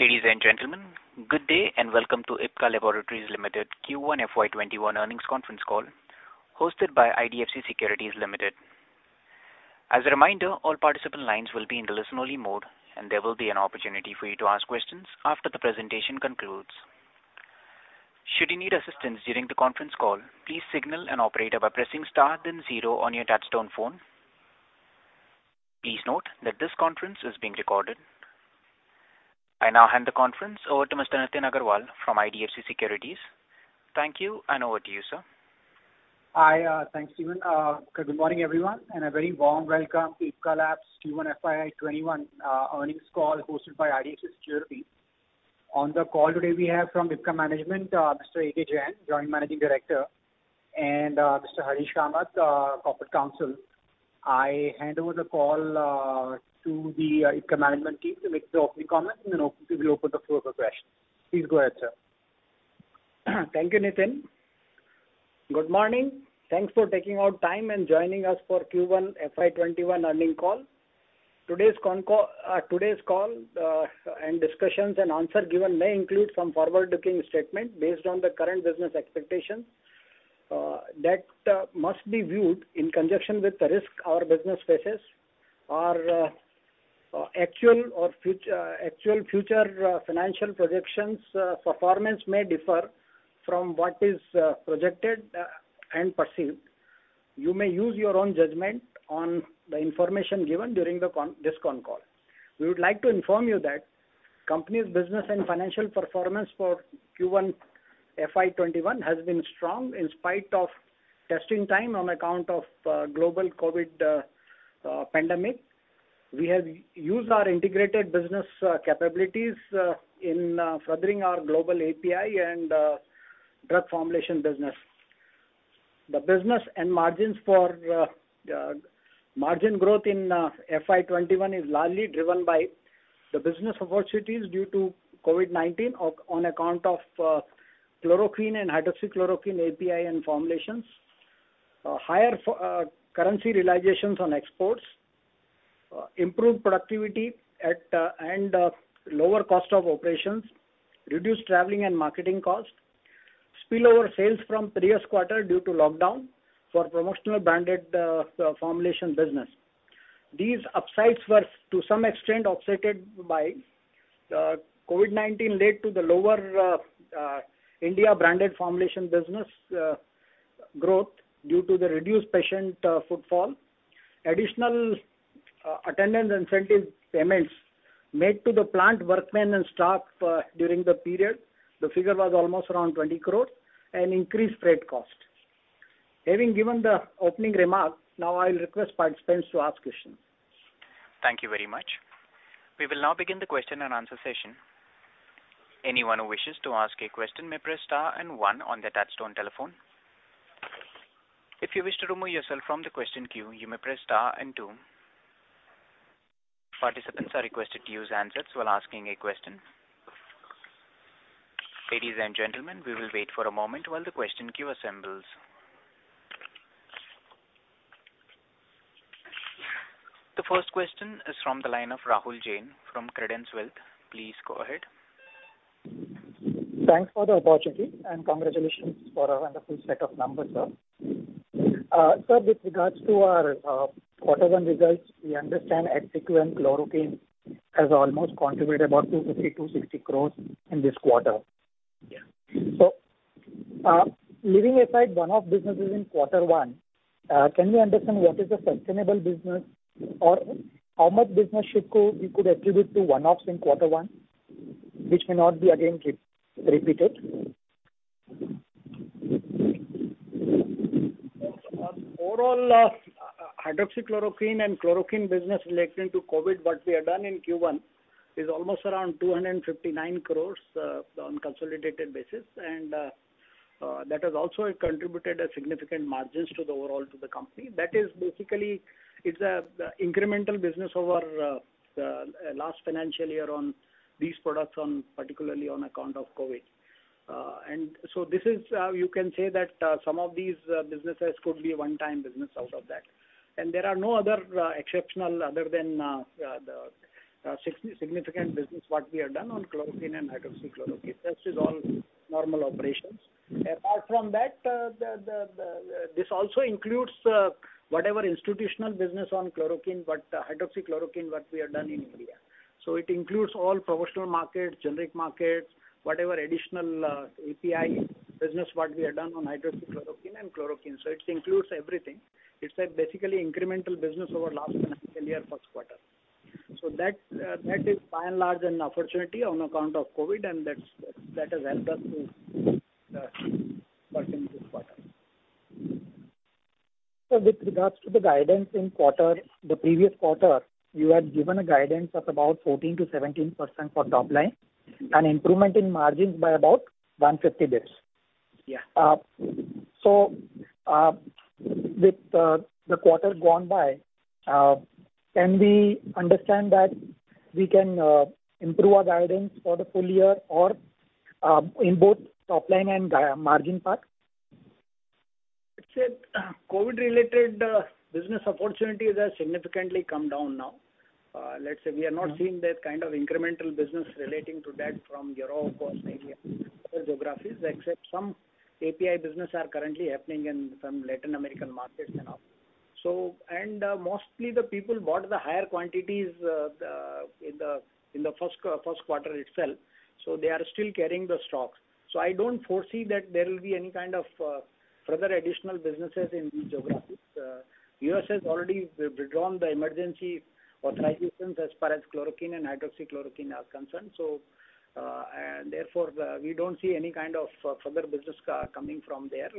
Ladies and gentlemen, good day and welcome to Ipca Laboratories Limited Q1 FY 2021 earnings conference call hosted by IDFC Securities Limited. As a reminder, all participant lines will be in the listen-only mode, and there will be an opportunity for you to ask questions after the presentation concludes. Should you need assistance during the conference call, please signal an operator by pressing star then zero on your touch-tone phone. Please note that this conference is being recorded. I now hand the conference over to Mr. Nitin Agarwal from IDFC Securities. Thank you, and over to you, sir. Hi. Thanks, Steven. Good morning, everyone, and a very warm welcome to Ipca Labs Q1 FY 2021 earnings call hosted by IDFC Securities. On the call today, we have from Ipca management, Mr. A.K. Jain, Joint Managing Director, and Mr. Harish Kamath, Corporate Counsel. I hand over the call to the Ipca management team to make the opening comments, and then we will open the floor for questions. Please go ahead, sir. Thank you, Nitin. Good morning. Thanks for taking out time and joining us for Q1 FY21 earnings call. Today's call and discussions and answers given may include some forward-looking statements based on the current business expectations that must be viewed in conjunction with the risk our business faces. Our actual future financial projections performance may differ from what is projected and perceived. You may use your own judgment on the information given during this con call. We would like to inform you that company's business and financial performance for Q1 FY21 has been strong in spite of testing time on account of global COVID-19 pandemic. We have used our integrated business capabilities in furthering our global API and drug formulation business. The business and margin growth in FY 2021 is largely driven by the business opportunities due to COVID-19 on account of chloroquine and hydroxychloroquine API and formulations, higher currency realizations on exports, improved productivity, and lower cost of operations, reduced traveling and marketing costs, spillover sales from previous quarter due to lockdown for promotional branded formulation business. These upsides were to some extent offset by COVID-19 led to the lower India branded formulation business growth due to the reduced patient footfall, additional attendance incentive payments made to the plant workmen and staff during the period, the figure was almost around 20 crores. Increased freight cost. Having given the opening remarks, now I will request participants to ask questions. Thank you very much. We'll now begin the question-and-answer session. Anyone wishes to ask a question may press star and one on the touch-tone telephone. If you wish to remove yourself from the question queue, you may press star and two. Participants are requested to use handset while asking a question. Ladies and gentlemen, we will wait for a moment while the question queue assembles. The first question is from the line of Rahul Jain from Credence Wealth. Please go ahead. Thanks for the opportunity, and congratulations for a wonderful set of numbers, sir. Sir, with regards to our quarter one results, we understand HCQ and chloroquine has almost contributed about 250 crores-260 crores in this quarter. Yeah. Leaving aside one-off businesses in quarter one, can we understand what is the sustainable business or how much business you could attribute to one-offs in quarter one, which may not be again repeated? Overall, hydroxychloroquine and chloroquine business relating to COVID, what we have done in Q1, is almost around 259 crores on consolidated basis, and that has also contributed a significant margins overall to the company. That is basically, it's the incremental business over the last financial year on these products, particularly on account of COVID. This is how you can say that some of these businesses could be a one-time business out of that. There are no other exceptional other than the significant business what we have done on chloroquine and hydroxychloroquine. Rest is all normal operations. Apart from that, this also includes whatever institutional business on chloroquine, but hydroxychloroquine, what we have done in India. It includes all promotional markets, generic markets, whatever additional API business what we have done on hydroxychloroquine and chloroquine. It includes everything. It's basically incremental business over last financial year first quarter. That is by and large an opportunity on account of COVID, and that has helped us to work in this quarter. Sir, with regards to the guidance in the previous quarter, you had given a guidance of about 14%-17% for top line, an improvement in margins by about 150 basis points. Yeah. With the quarter gone by, can we understand that we can improve our guidance for the full-year or in both top line and margin part? Let's say COVID-related business opportunities have significantly come down now. Let's say we are not seeing that kind of incremental business relating to that from Europe or Asia, other geographies, except some API business are currently happening in some Latin American markets now. Mostly the people bought the higher quantities in the first quarter itself, so they are still carrying the stocks. I don't foresee that there will be any kind of further additional businesses in these geographies. U.S. has already withdrawn the emergency authorizations as far as chloroquine and hydroxychloroquine are concerned, so therefore, we don't see any kind of further business coming from there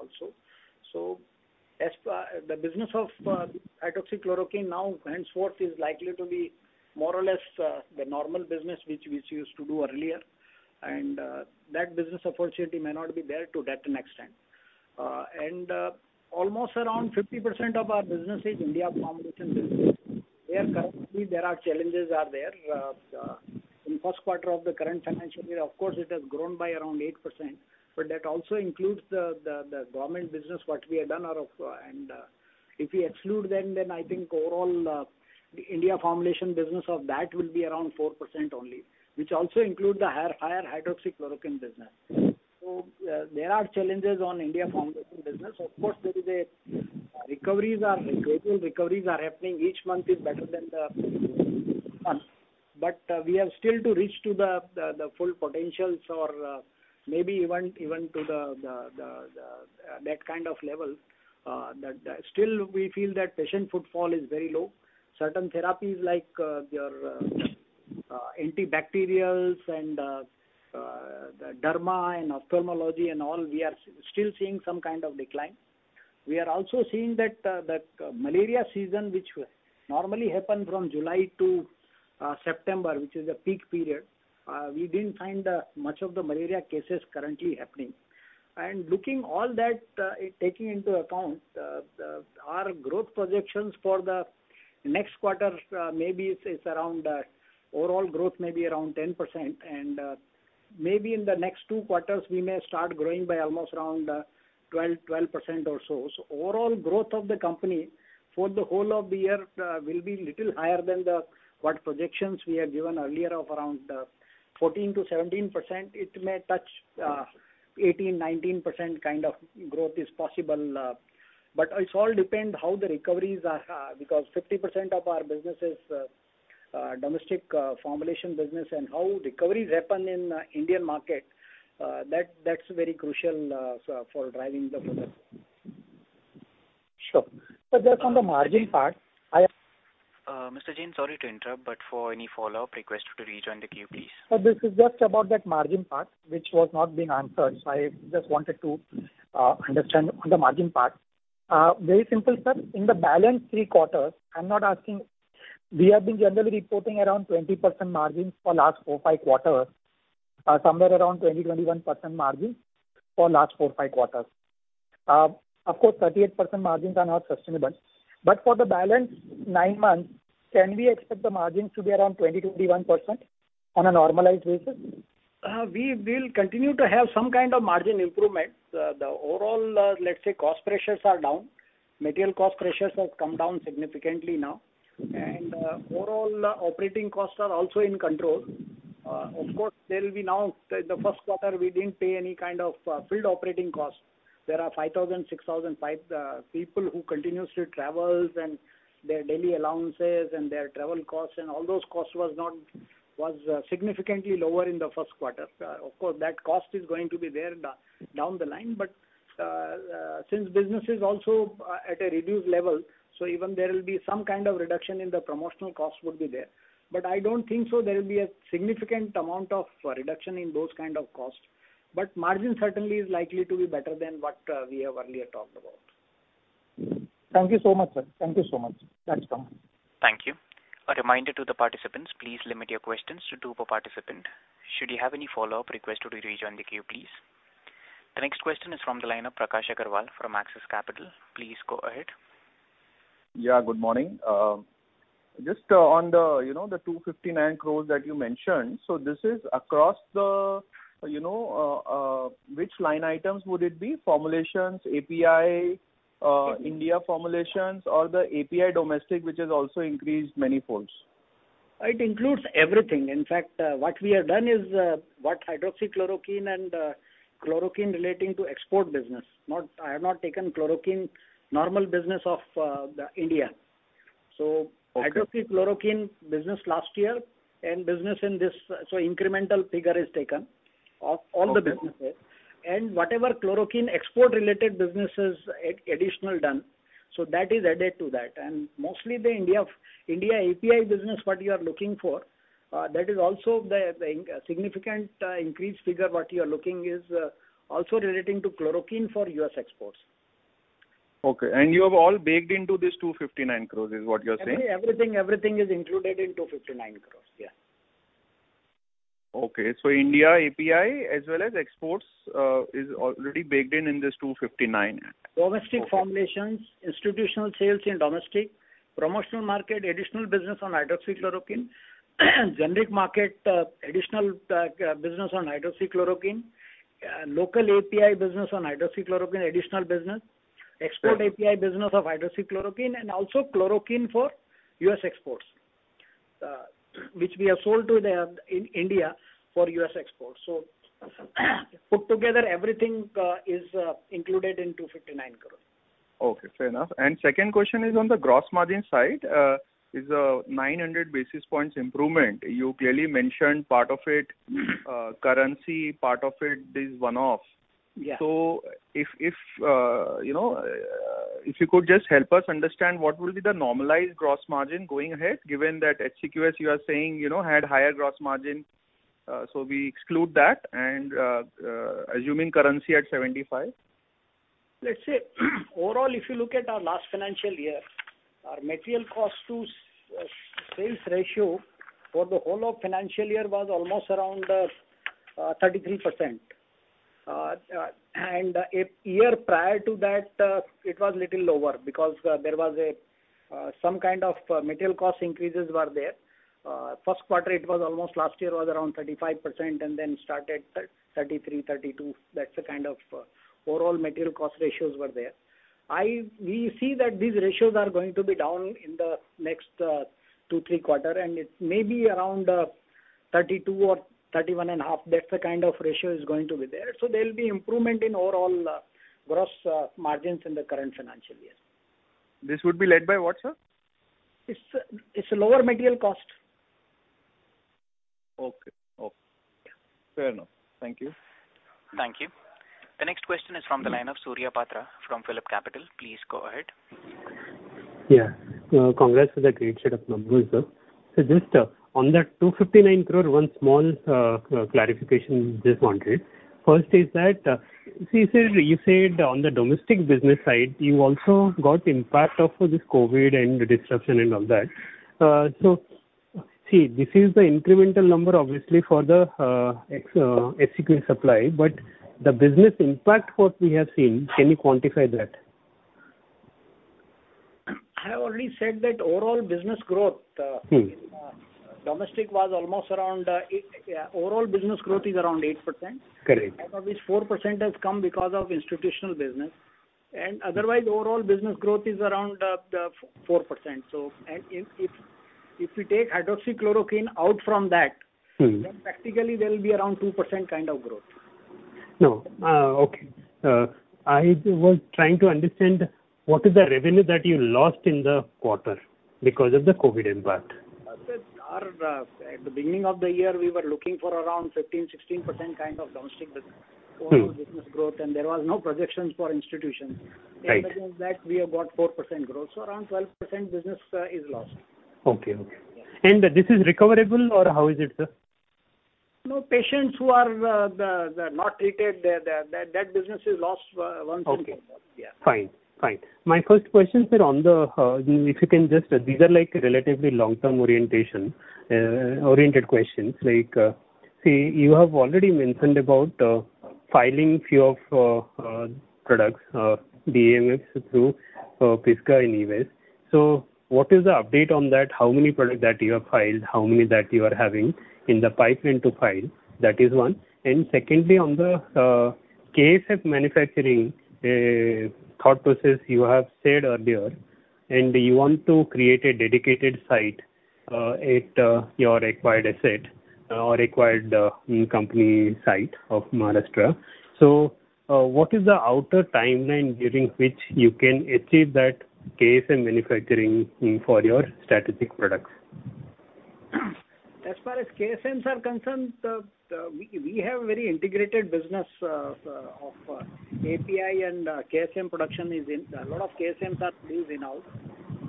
also. The business of hydroxychloroquine now henceforth is likely to be more or less the normal business which we used to do earlier. That business opportunity may not be there to that extent. Almost around 50% of our business is India formulation business. Currently, there are challenges are there. In first quarter of the current financial year, of course, it has grown by around 8%, but that also includes the government business what we have done. If we exclude them, then I think overall, the India formulation business of that will be around 4% only, which also include the higher hydroxychloroquine business. There are challenges on India formulation business. Of course, gradual recoveries are happening. Each month is better than the month. We have still to reach to the full potentials or maybe even to that kind of level. Still we feel that patient footfall is very low. Certain therapies like your antibacterials and derma and ophthalmology and all, we are still seeing some kind of decline. We are also seeing that malaria season, which normally happen from July to September, which is a peak period. We didn't find much of the malaria cases currently happening. Looking all that, taking into account, our growth projections for the next quarter, maybe it's around, overall growth may be around 10%, maybe in the next two quarters, we may start growing by almost around 12% or so. Overall growth of the company for the whole of the year will be little higher than what projections we have given earlier of around 14%-17%. It may touch 18%, 19% kind of growth is possible. It all depend how the recoveries are, because 50% of our business is domestic formulation business, how recoveries happen in Indian market, that's very crucial for driving the further. Sure. Mr. Jain, sorry to interrupt, but for any follow-up, request to rejoin the queue, please. Sir, this is just about that margin part which was not being answered. I just wanted to understand on the margin part. Very simple, sir. In the balance three quarters, I'm not asking, we have been generally reporting around 20% margins for last four, five quarters, somewhere around 20%, 21% margins for last four, five quarters. Of course, 38% margins are not sustainable. For the balance nine months, can we expect the margins to be around 20%, 21% on a normalized basis? We will continue to have some kind of margin improvements. The overall, let's say, cost pressures are down. Material cost pressures have come down significantly now. Overall operating costs are also in control. Of course, there will be now, the first quarter we didn't pay any kind of field operating costs. There are 5,000, 6,000 people who continuously travels, and their daily allowances and their travel costs and all those costs was significantly lower in the first quarter. Of course, that cost is going to be there down the line. Since business is also at a reduced level, even there will be some kind of reduction in the promotional cost would be there. I don't think so there will be a significant amount of reduction in those kind of costs. Margin certainly is likely to be better than what we have earlier talked about. Thank you so much, sir. Thank you so much. That's all. Thank you. A reminder to the participants, please limit your questions to two per participant. Should you have any follow-up, request to rejoin the queue, please. The next question is from the line of Prakash Agarwal from Axis Capital. Please go ahead. Yeah, good morning. Just on the 259 crores that you mentioned. This is across the, which line items would it be? Formulations, API, India formulations, or the API domestic, which has also increased manifolds? It includes everything. In fact, what we have done is, what hydroxychloroquine and chloroquine relating to export business. I have not taken chloroquine normal business of India. Okay. hydroxychloroquine business last year and business in this, so incremental figure is taken of all the businesses. Whatever chloroquine export related business is additional done, so that is added to that. Mostly the India API business, what you are looking for, that is also the significant increased figure what you are looking is also relating to chloroquine for U.S. exports. Okay. You have all baked into this 259 crores is what you're saying? Everything is included in 259 crores, yeah. Okay. India API as well as exports is already baked in in this 259 crores. Domestic formulations, institutional sales in domestic promotional market, additional business on hydroxychloroquine, generic market, additional business on hydroxychloroquine, local API business on hydroxychloroquine, additional business, export API business of hydroxychloroquine, and also chloroquine for U.S. exports, which we have sold in India for U.S. exports. Put together everything is included in 259 crore. Okay, fair enough. Second question is on the gross margin side. It's a 900 basis points improvement. You clearly mentioned part of it, currency, part of it is one-off. Yeah. If you could just help us understand what will be the normalized gross margin going ahead, given that HCQS, you are saying, had higher gross margin, so we exclude that, and assuming currency at 75? Let's say, overall, if you look at our last financial year, our material cost to sales ratio for the whole of financial year was almost around 33%. A year prior to that, it was little lower because there was some kind of material cost increases were there. First quarter, it was almost last year was around 35%, started 33%, 32%. That's the kind of overall material cost ratios were there. We see that these ratios are going to be down in the next two, three quarter, and it may be around 32% or 31.5%. That's the kind of ratio is going to be there. There'll be improvement in overall gross margins in the current financial year. This would be led by what, sir? It's a lower material cost. Okay. Fair enough. Thank you. Thank you. The next question is from the line of Surya Patra from PhillipCapital. Please go ahead. Yeah. Congrats for the great set of numbers, sir. Just on that 259 crore, one small clarification just wanted. First is that, you said on the domestic business side, you also got impact of this COVID and the disruption and all that. See, this is the incremental number, obviously, for the HCQS supply, but the business impact what we have seen, can you quantify that? I have already said that overall business growth. Overall business growth is around 8%. Correct. Out of which 4% has come because of institutional business, otherwise, overall business growth is around 4%. If you take hydroxychloroquine out from that. Practically there will be around 2% kind of growth. No. Okay. I was trying to understand what is the revenue that you lost in the quarter because of the COVID impact. At the beginning of the year, we were looking for around 15%, 16% kind of domestic business. Overall business growth, there was no projections for institutions. Right. In between that, we have got 4% growth, so around 12% business is lost. Okay. This is recoverable, or how is it, sir? No, patients who are not treated, that business is lost once and for all. Okay. Yeah. Fine. My first questions, if you can just these are like relatively long-term orientation oriented questions. You have already mentioned about filing few of products, DMFs through Pisgah in U.S. What is the update on that? How many products that you have filed, how many that you are having in the pipeline to file? That is one. Secondly, on the KSM manufacturing thought process you have said earlier, and you want to create a dedicated site at your acquired asset or acquired company site of Maharashtra. What is the outer timeline during which you can achieve that KSM manufacturing for your strategic products? As far as KSMs are concerned, we have very integrated business of API and KSM production. A lot of KSMs are produced in-house.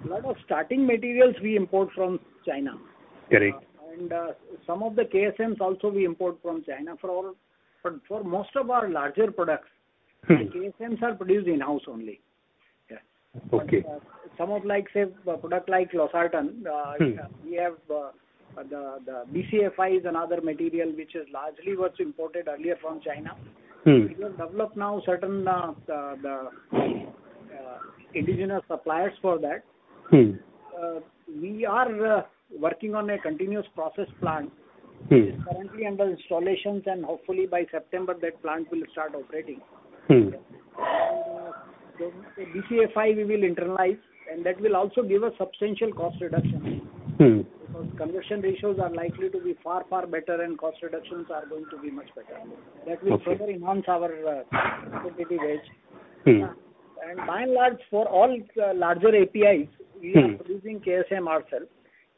A lot of starting materials we import from China. Correct. Some of the KSMs also we import from China. For most of our larger products. The KSMs are produced in-house only. Yeah. Okay. Some of like, say, product like losartan we have the BCFI is another material which is largely was imported earlier from China. We have developed now certain indigenous suppliers for that. We are working on a continuous process plant, it is currently under installations, and hopefully by September, that plant will start operating. The BCFI we will internalize, and that will also give us substantial cost reduction. Conversion ratios are likely to be far, far better and cost reductions are going to be much better. Okay. That will further enhance our competitive edge by and large, for all larger APIs we are producing KSM ourselves.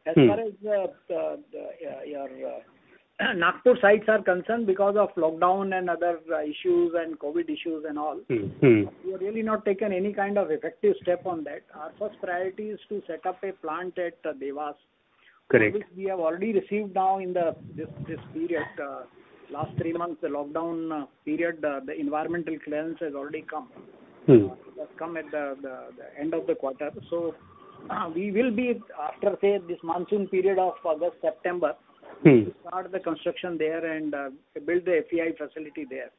As far as your Nagpur sites are concerned because of lockdown and other issues and COVID issues. We have really not taken any kind of effective step on that. Our first priority is to set up a plant at Dewas. Correct. Which we have already received now in this period. Last three months, the lockdown period, the environmental clearance has already come. It has come at the end of the quarter. We will be after, say, this monsoon period of August, September to start the construction there and build the API facility there.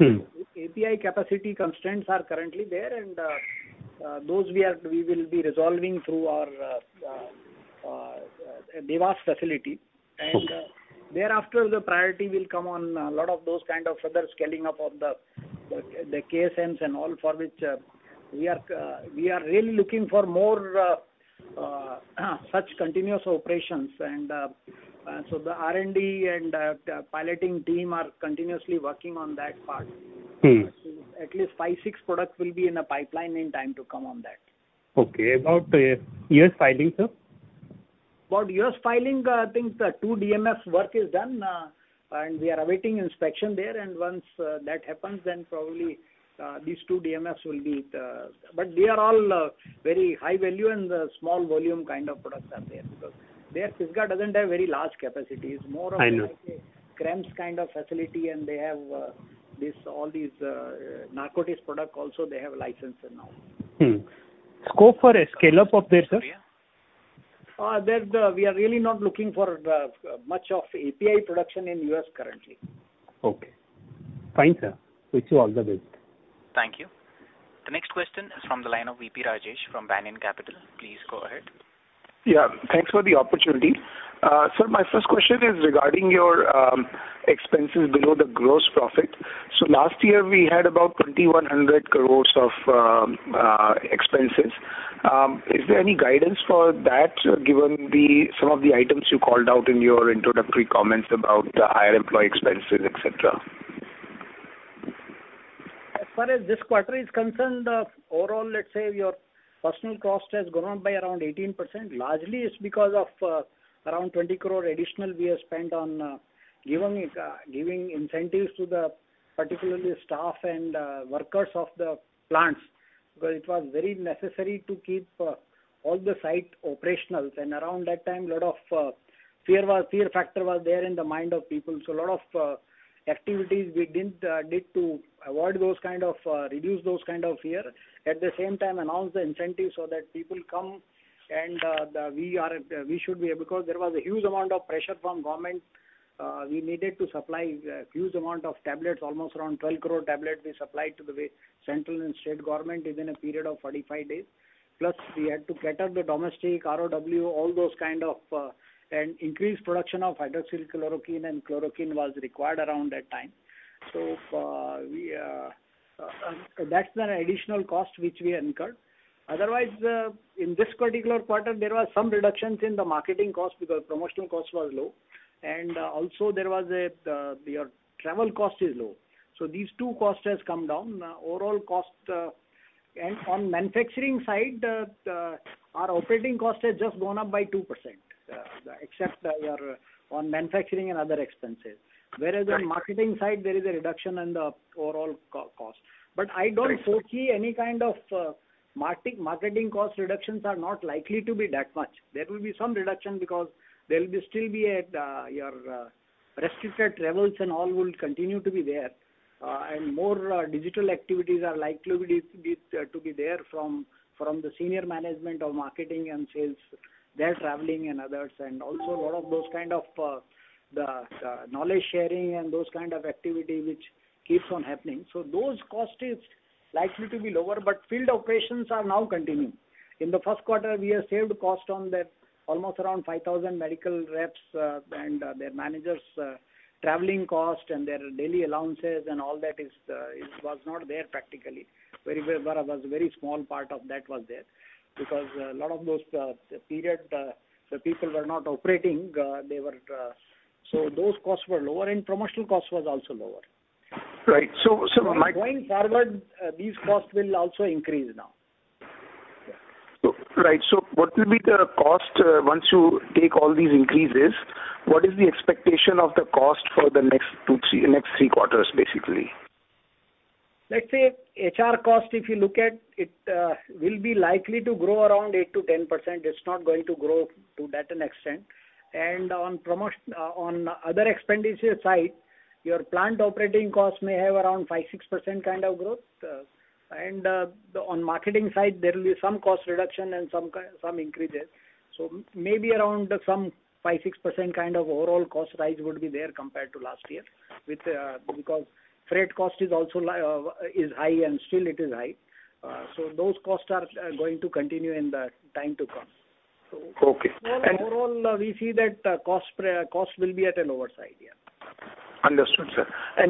API capacity constraints are currently there, and those we will be resolving through our Dewas facility. Thereafter, the priority will come on a lot of those kind of further scaling up of the KSMs and all for which we are really looking for more such continuous operations. The R&D and piloting team are continuously working on that part. At least five, six products will be in the pipeline in time to come on that. Okay. About U.S. filing, sir? About U.S. filing, I think two DMFs work is done, and we are awaiting inspection there. Once that happens, they are all very high value and small volume kind of products are there because their CSGA doesn't have very large capacities. I know. like a CRAMS kind of facility, and they have all these narcotics product also, they have license now. Scope for a scale-up up there, sir? We are really not looking for much of API production in U.S. currently. Okay. Fine, sir. Wish you all the best. Thank you. The next question is from the line of V.P. Rajesh from Banyan Capital. Please go ahead. Yeah, thanks for the opportunity. Sir, my first question is regarding your expenses below the gross profit. Last year, we had about 2,100 crores of expenses. Is there any guidance for that, given some of the items you called out in your introductory comments about the higher employee expenses, et cetera? As far as this quarter is concerned, overall, let's say your personal cost has gone up by around 18%. Largely, it's because of around 20 crore additional we have spent on giving incentives to particularly the staff and workers of the plants, because it was very necessary to keep all the site operational. Around that time, lot of fear factor was there in the mind of people. A lot of activities we did to reduce those kind of fear. At the same time, announce the incentive so that people come and because there was a huge amount of pressure from government, we needed to supply huge amount of tablets, almost around 12 crore tablets we supplied to the central and state government within a period of 45 days. We had to cater the domestic ROW, all those kind of, and increase production of hydroxychloroquine and chloroquine was required around that time. That's an additional cost which we incurred. Otherwise, in this particular quarter, there was some reductions in the marketing cost because promotional cost was low. Also there was your travel cost is low. These two costs has come down. On manufacturing side, our operating cost has just gone up by 2%, except on manufacturing and other expenses. Whereas on marketing side, there is a reduction in the overall cost. I don't foresee any kind of marketing cost reductions are not likely to be that much. There will be some reduction because there'll still be your restricted travels and all will continue to be there. More digital activities are likely to be there from the senior management of marketing and sales. They're traveling and others, and also a lot of those kind of the knowledge sharing and those kind of activity which keeps on happening. Those cost is likely to be lower, but field operations are now continuing. In the first quarter, we have saved cost on that, almost around 5,000 medical reps and their managers' traveling cost and their daily allowances and all that it was not there practically. Very small part of that was there. A lot of those period, the people were not operating. Those costs were lower, and promotional cost was also lower. Right. Going forward, these costs will also increase now. Right. What will be the cost once you take all these increases? What is the expectation of the cost for the next three quarters, basically? Let's say HR cost, if you look at, it will be likely to grow around 8%-10%. It's not going to grow to that an extent. On other expenditure side, your plant operating cost may have around 5%-6% kind of growth. On marketing side, there will be some cost reduction and some increases. Maybe around some 5%-6% kind of overall cost rise would be there compared to last year. Because freight cost is high and still it is high. Those costs are going to continue in the time to come. Okay. Overall, we see that cost will be at a lower side, yeah. Understood, sir.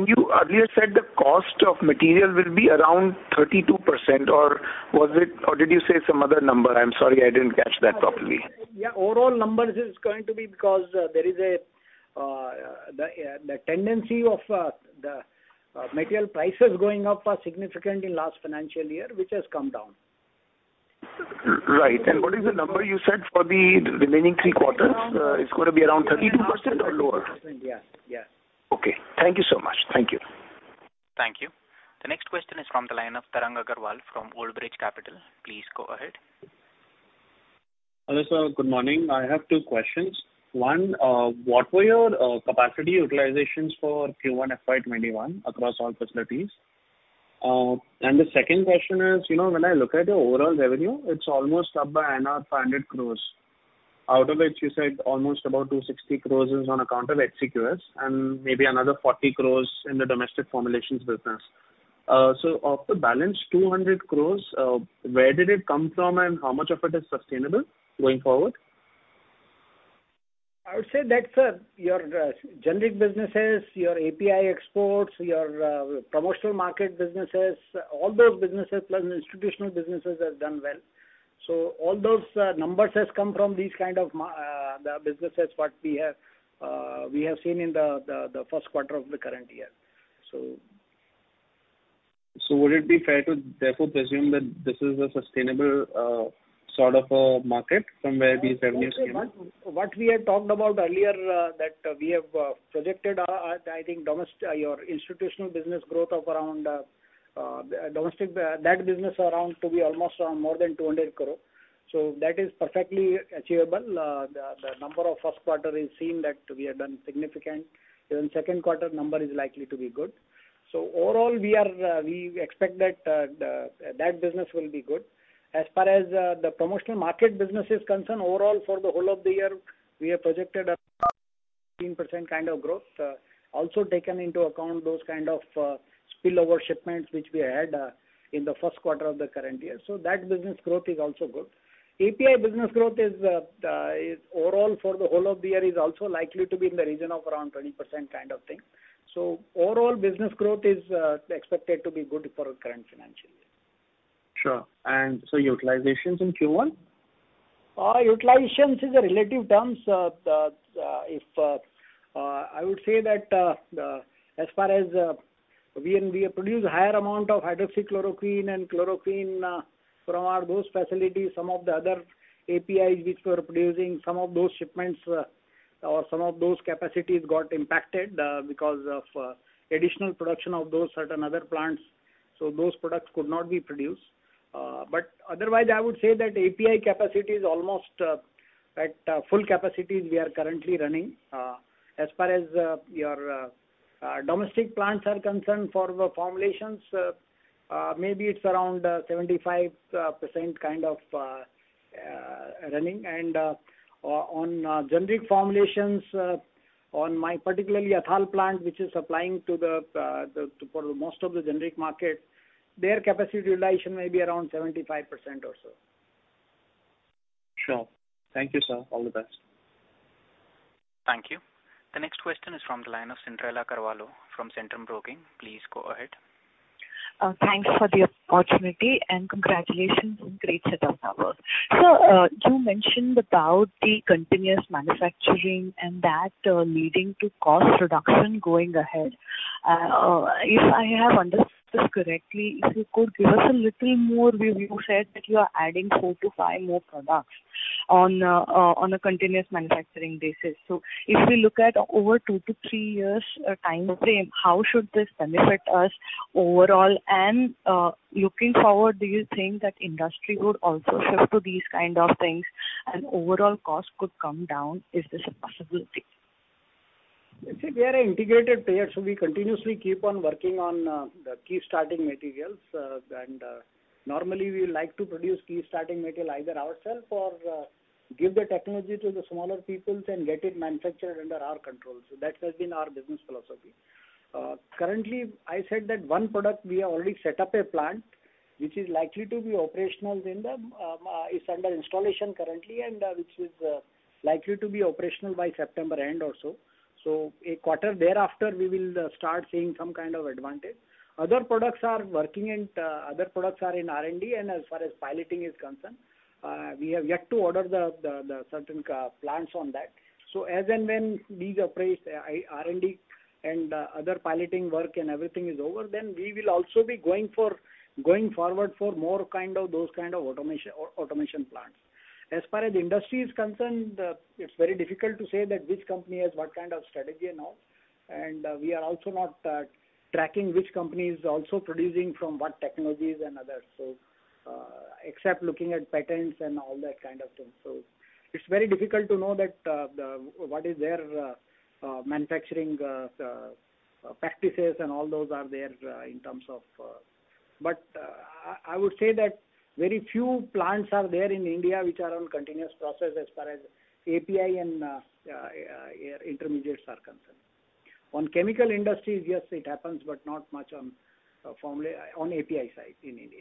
You earlier said the cost of material will be around 32%, or did you say some other number? I'm sorry, I didn't catch that properly. Yeah, overall numbers is going to be because there is the tendency of the material prices going up significantly last financial year, which has come down. Right. What is the number you said for the remaining three quarters? It's going to be around 32% or lower? 32%, yes. Okay. Thank you so much. Thank you. Thank you. The next question is from the line of Tarang Agrawal from Old Bridge Capital. Please go ahead. Hello, sir. Good morning. I have two questions. One, what were your capacity utilizations for Q1 FY 2021 across all facilities? The second question is, when I look at your overall revenue, it's almost up by 500 crores. Out of which you said almost about 260 crores is on account of HCQS and maybe another 40 crores in the domestic formulations business. Of the balance 200 crores, where did it come from and how much of it is sustainable going forward? I would say that, sir, your generic businesses, your API exports, your promotional market businesses, all those businesses plus institutional businesses have done well. All those numbers has come from these kind of the businesses what we have seen in the first quarter of the current year. Would it be fair to therefore presume that this is a sustainable sort of a market from where these revenues came? What we had talked about earlier, that we have projected our, I think, institutional business growth of around almost more than 200 crore. That is perfectly achievable. The number of first quarter is seen that we have done significant. Even second quarter number is likely to be good. Overall, we expect that business will be good. As far as the promotional market business is concerned, overall for the whole of the year, we have projected a 15% kind of growth. Also taken into account those kind of spillover shipments which we had in the first quarter of the current year. That business growth is also good. API business growth overall for the whole of the year is also likely to be in the region of around 20% kind of thing. Overall business growth is expected to be good for our current financial year. Sure. Utilizations in Q1? Utilizations is a relative term. I would say that as far as we produce higher amount of hydroxychloroquine and chloroquine from our those facilities, some of the other APIs which we are producing, some of those shipments or some of those capacities got impacted because of additional production of those certain other plants. Those products could not be produced. Otherwise, I would say that API capacity is almost at full capacity we are currently running. As far as your domestic plants are concerned for the formulations, maybe it's around 75% kind of running and on generic formulations, on my particularly Athal plant, which is supplying for the most of the generic market, their capacity utilization may be around 75% or so. Sure. Thank you, sir. All the best. Thank you. The next question is from the line of Cyndrella Carvalho from Centrum Broking. Please go ahead. Thanks for the opportunity and congratulations on great set of numbers. Sir, you mentioned about the continuous manufacturing and that leading to cost reduction going ahead. If I have understood this correctly, if you could give us a little more, you said that you are adding 4-5 more products on a continuous manufacturing basis. If we look at over 2-3 years time frame, how should this benefit us overall? Looking forward, do you think that industry would also shift to these kind of things and overall cost could come down? Is this a possibility? You see, we are an integrated player, we continuously keep on working on the key starting materials. Normally, we like to produce key starting material either ourselves or give the technology to the smaller peoples and get it manufactured under our control. That has been our business philosophy. Currently, I said that one product we have already set up a plant, which is under installation currently and which is likely to be operational by September end or so. A quarter thereafter, we will start seeing some kind of advantage. Other products are working and other products are in R&D, and as far as piloting is concerned, we have yet to order the certain plants on that. As and when these R&D and other piloting work and everything is over, we will also be going forward for more those kind of automation plants. As far as the industry is concerned, it's very difficult to say that which company has what kind of strategy and all. We are also not tracking which company is also producing from what technologies and others. Except looking at patents and all that kind of thing. It's very difficult to know that what is their manufacturing practices and all those are there. I would say that very few plants are there in India which are on continuous process as far as API and intermediates are concerned. On chemical industry, yes, it happens, but not much on API side in India.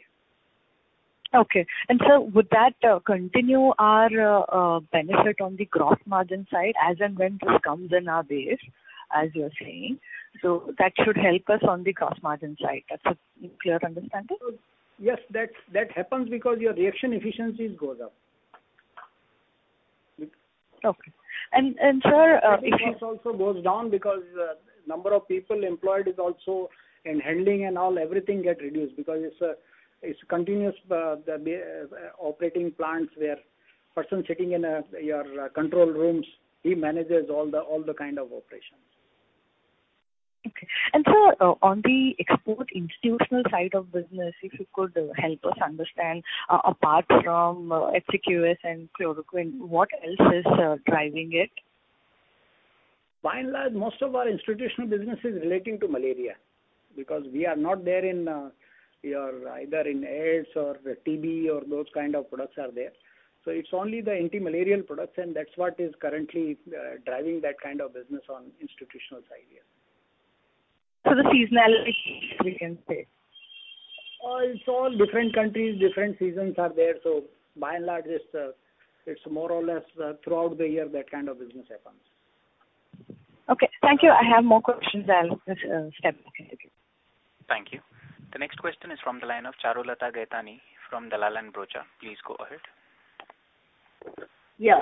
Okay. Sir, would that continue our benefit on the gross margin side as and when this comes in our base, as you are saying? That should help us on the gross margin side. That's a clear understanding? Yes. That happens because your reaction efficiencies goes up. Okay. also goes down because number of people employed is also in handling and all, everything get reduced because it's continuous operating plants where person sitting in your control rooms, he manages all the kind of operations. Okay. Sir, on the export institutional side of business, if you could help us understand, apart from HCQS and chloroquine, what else is driving it? By and large, most of our institutional business is relating to malaria, because we are not there in either AIDS or TB or those kind of products are there. It's only the anti-malarial products. That's what is currently driving that kind of business on institutional side here. The seasonality we can say. It's all different countries, different seasons are there. By and large, it's more or less throughout the year, that kind of business happens. Okay. Thank you. I have more questions. I'll just step back. Thank you. The next question is from the line of Charulata Gaidhani from Dalal & Broacha. Please go ahead. Yeah.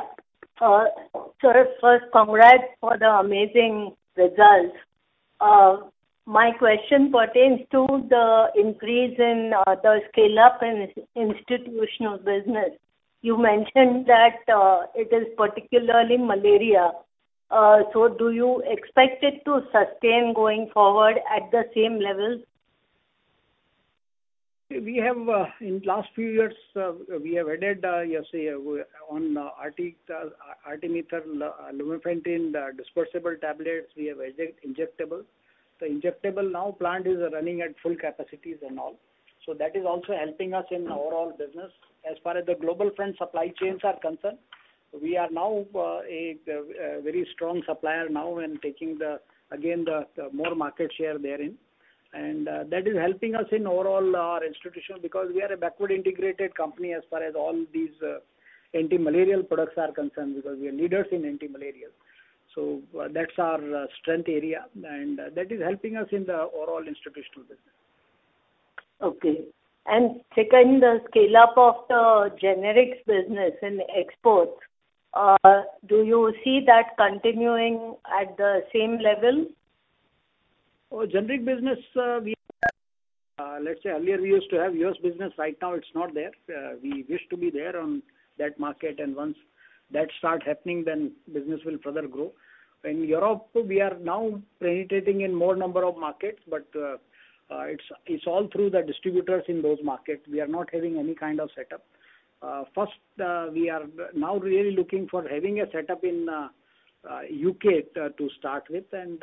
First, congrats for the amazing results. My question pertains to the increase in the scale-up in institutional business. You mentioned that it is particularly malaria. Do you expect it to sustain going forward at the same level? We have, in last few years, we have added, you see, on artemether-lumefantrine dispersible tablets, we have injectables. The injectable now plant is running at full capacities and all. That is also helping us in overall business. As far as the global front supply chains are concerned, we are now a very strong supplier now and taking, again, the more market share therein. That is helping us in overall our institution, because we are a backward integrated company as far as all these anti-malarial products are concerned, because we are leaders in anti-malarials. That's our strength area, and that is helping us in the overall institutional business. Okay. Second, the scale-up of the generics business and exports, do you see that continuing at the same level? Generic business, let's say earlier we used to have U.S. business. Right now it's not there. We wish to be there on that market, and once that start happening, then business will further grow. In Europe, we are now penetrating in more number of markets, but it's all through the distributors in those markets. We are not having any kind of setup. First, we are now really looking for having a setup in U.K. to start with, and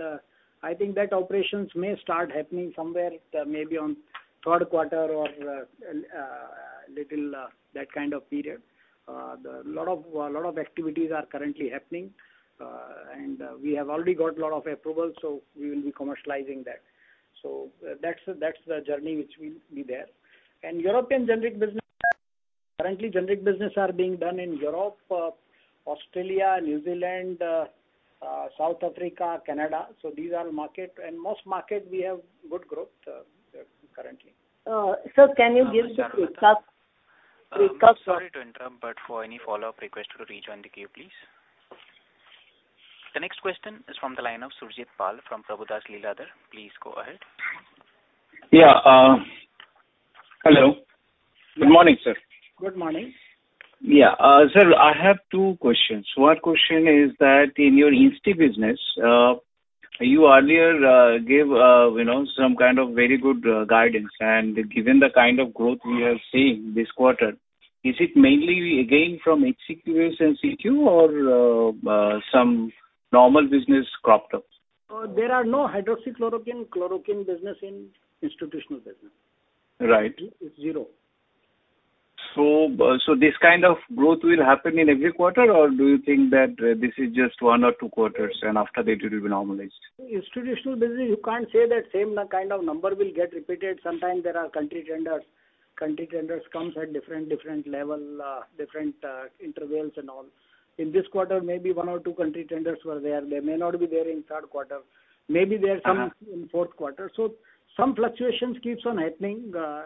I think that operations may start happening somewhere maybe on third quarter or little that kind of period. A lot of activities are currently happening, and we have already got lot of approvals, so we will be commercializing that. That's the journey which will be there. European generic business, currently generic business are being done in Europe, Australia, New Zealand, South Africa, Canada. These are market, and most market we have good growth currently. Sir, can you give the- I'm sorry to interrupt, but for any follow-up requests, could you rejoin the queue, please? The next question is from the line of Surjit Pal from Prabhudas Lilladher. Please go ahead. Yeah. Hello. Good morning, sir. Good morning. Yeah. Sir, I have two questions. One question is that in your institutional business, you earlier gave some kind of very good guidance, and given the kind of growth we are seeing this quarter, is it mainly again from HCQS and CQ or some normal business cropped up? There are no hydroxychloroquine, chloroquine business in institutional business. Right. It's zero. This kind of growth will happen in every quarter, or do you think that this is just one or two quarters, and after that it will be normalized? Institutional business, you can't say that same kind of number will get repeated. Sometimes there are country tenders. Country tenders comes at different level, different intervals and all. In this quarter, maybe one or two country tenders were there. They may not be there in third quarter. Maybe there's some in fourth quarter. Some fluctuations keeps on happening there.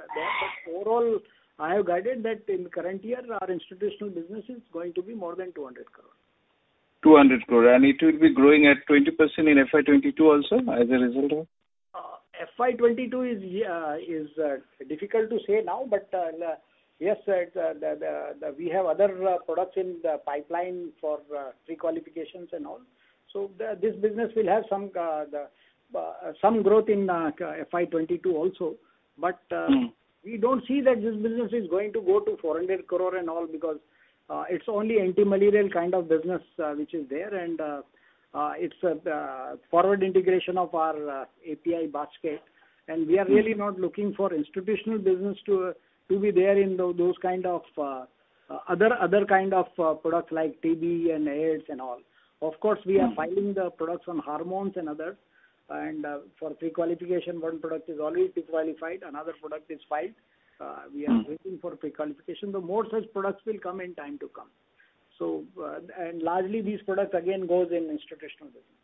Overall, I have guided that in current year, our institutional business is going to be more than 200 crore. 200 crore. It will be growing at 20% in FY 2022 also as a result? FY 2022 is difficult to say now. Yes, we have other products in the pipeline for pre-qualifications and all. This business will have some growth in FY 2022 also. We don't see that this business is going to go to 400 crore and all because it's only anti-malarial kind of business which is there. It's a forward integration of our API basket, and we are really not looking for institutional business to be there in those kind of other kind of product like TB and AIDS and all. Of course, we are filing the products on hormones and other. For pre-qualification, one product is already pre-qualified, another product is filed. We are waiting for pre-qualification. More such products will come in time to come. Largely, these products again goes in institutional business.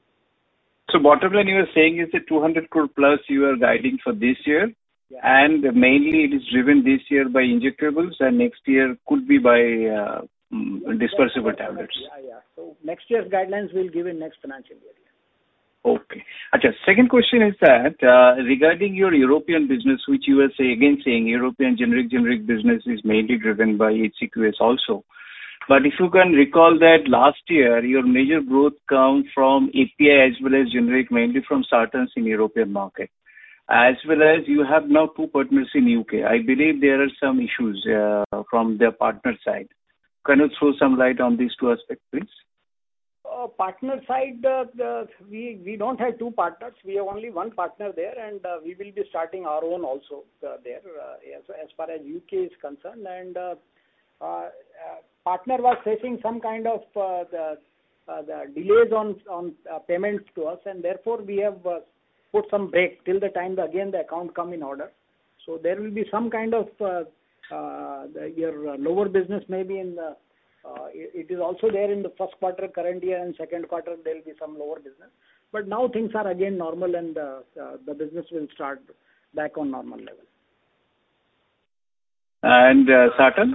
Bottom line you are saying is that 200 crore+you are guiding for this year. Yeah. Mainly it is driven this year by injectables, and next year could be by dispersible tablets. Yeah. Next year's guidelines we'll give in next financial year. Okay. Second question is that regarding your European business, which you were again saying European generic business is mainly driven by HCQS also. If you can recall that last year, your major growth come from API as well as generic, mainly from sartans in European market. As well as you have now two partners in U.K. I believe there are some issues from their partner side. Can you throw some light on these two aspects, please? Partner side, we don't have two partners. We have only one partner there, and we will be starting our own also there, as far as U.K. is concerned. Partner was facing some kind of delays on payments to us, and therefore, we have put some break till the time again the account come in order. There will be some kind of lower business maybe in the first quarter current year and second quarter, there will be some lower business. Now things are again normal, and the business will start back on normal level. sartan?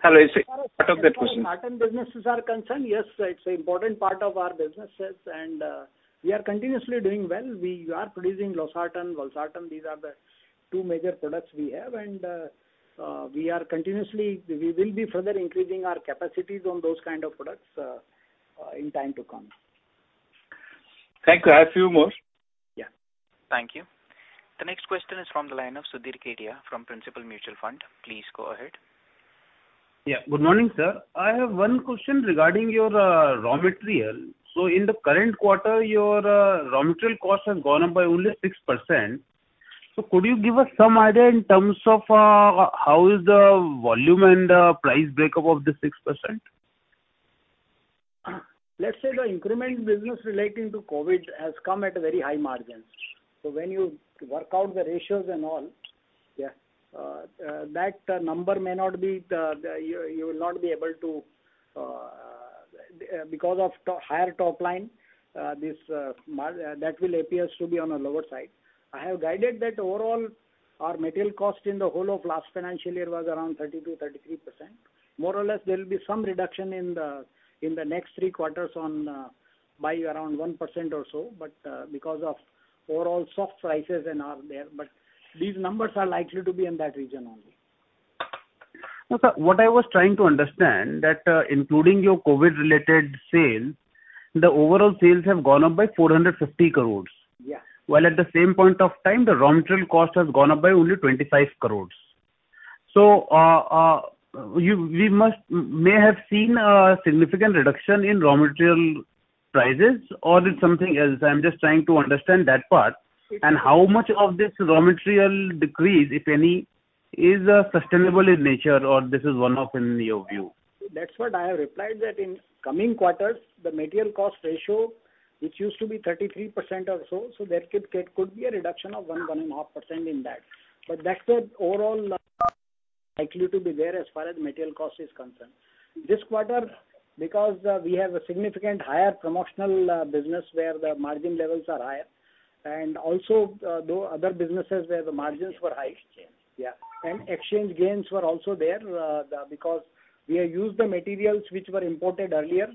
Hello, is it part of that question? As far as sartan businesses are concerned, yes, it's important part of our businesses, and we are continuously doing well. We are producing losartan, valsartan. These are the two major products we have, and we will be further increasing our capacities on those kind of products in time to come. Thank you. I have few more. Yeah. Thank you. The next question is from the line of Sudhir Kedia from Principal Mutual Fund. Please go ahead. Yeah. Good morning, sir. I have one question regarding your raw material. In the current quarter, your raw material cost has gone up by only 6%. Could you give us some idea in terms of how is the volume and price breakup of the 6%? Let's say the increment business relating to COVID has come at a very high margin. When you work out the ratios and all, yeah, that number, you will not be able to. Because of higher top line, that will appear to be on a lower side. I have guided that overall our material cost in the whole of last financial year was around 32%-33%. More or less, there will be some reduction in the next three quarters by around 1% or so, because of overall soft prices and all there. These numbers are likely to be in that region only. No, sir. What I was trying to understand, that including your COVID-related sale, the overall sales have gone up by 450 crores. Yeah. While at the same point of time, the raw material cost has gone up by only 25 crores. We may have seen a significant reduction in raw material prices, or it's something else. I'm just trying to understand that part. How much of this raw material decrease, if any, is sustainable in nature, or this is one-off in your view? That's what I have replied, that in coming quarters, the material cost ratio, which used to be 33% or so there could be a reduction of one, 1.5% in that. That's the overall likely to be there as far as material cost is concerned. This quarter, because we have a significant higher promotional business where the margin levels are higher, and also other businesses where the margins were high. Exchange. Yeah. Exchange gains were also there because we have used the materials which were imported earlier,